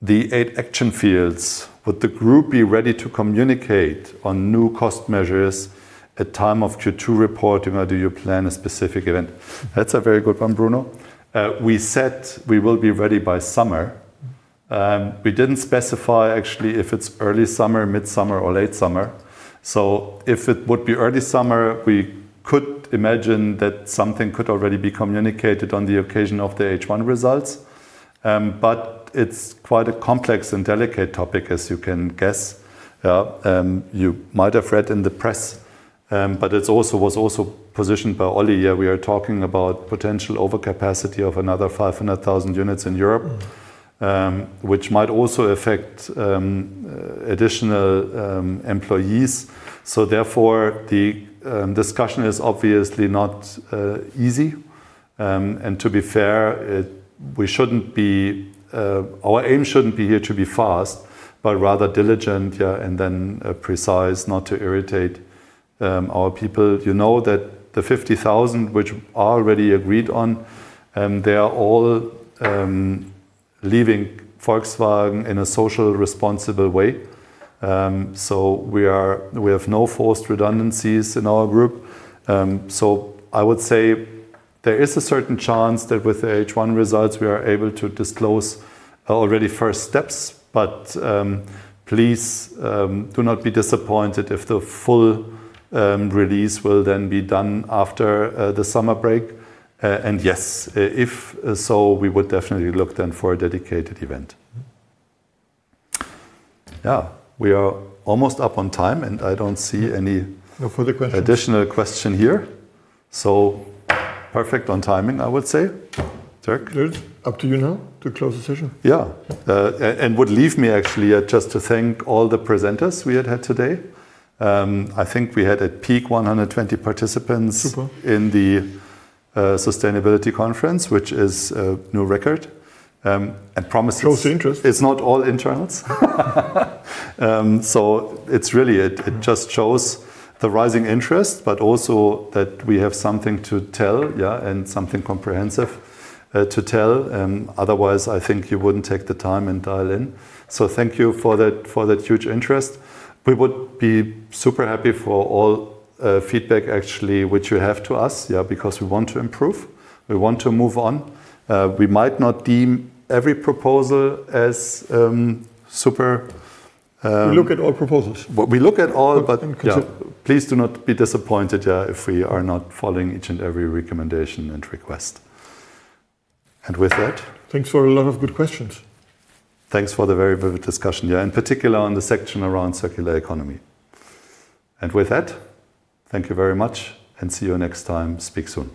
the eight action fields, would the group be ready to communicate on new cost measures at time of Q2 reporting, or do you plan a specific event? That's a very good one, Bruno. We said we will be ready by summer. We didn't specify, actually, if it's early summer, midsummer, or late summer. If it would be early summer, we could imagine that something could already be communicated on the occasion of the H1 results. It's quite a complex and delicate topic, as you can guess. You might have read in the press, it was also positioned by Oli, we are talking about potential overcapacity of another 500,000 units in Europe, which might also affect additional employees. Therefore, the discussion is obviously not easy. To be fair, our aim shouldn't be here to be fast, but rather diligent, and then precise, not to irritate our people. You know that the 50,000 which are already agreed on, they are all leaving Volkswagen in a social responsible way. We have no forced redundancies in our group. I would say there is a certain chance that with the H1 results, we are able to disclose already first steps, but please do not be disappointed if the full release will then be done after the summer break. Yes, if so, we would definitely look then for a dedicated event. We are almost up on time, and I don't see any- No further questions additional question here. Perfect on timing, I would say. Dirk? Good. Up to you now to close the session. Yeah. Would leave me, actually, just to thank all the presenters we had today. I think we had a peak 120 participants. Super In the sustainability conference, which is a new record, and promises. It shows the interest. It's not all internals. Really, it just shows the rising interest, but also that we have something to tell, and something comprehensive to tell. Otherwise, I think you wouldn't take the time and dial in. Thank you for that huge interest. We would be super happy for all feedback, actually, which you have to us, because we want to improve. We want to move on. We might not deem every proposal as super We look at all proposals. We look at all, please do not be disappointed if we are not following each and every recommendation and request. With that Thanks for a lot of good questions. Thanks for the very vivid discussion, in particular on the section around circular economy. With that, thank you very much and see you next time. Speak soon.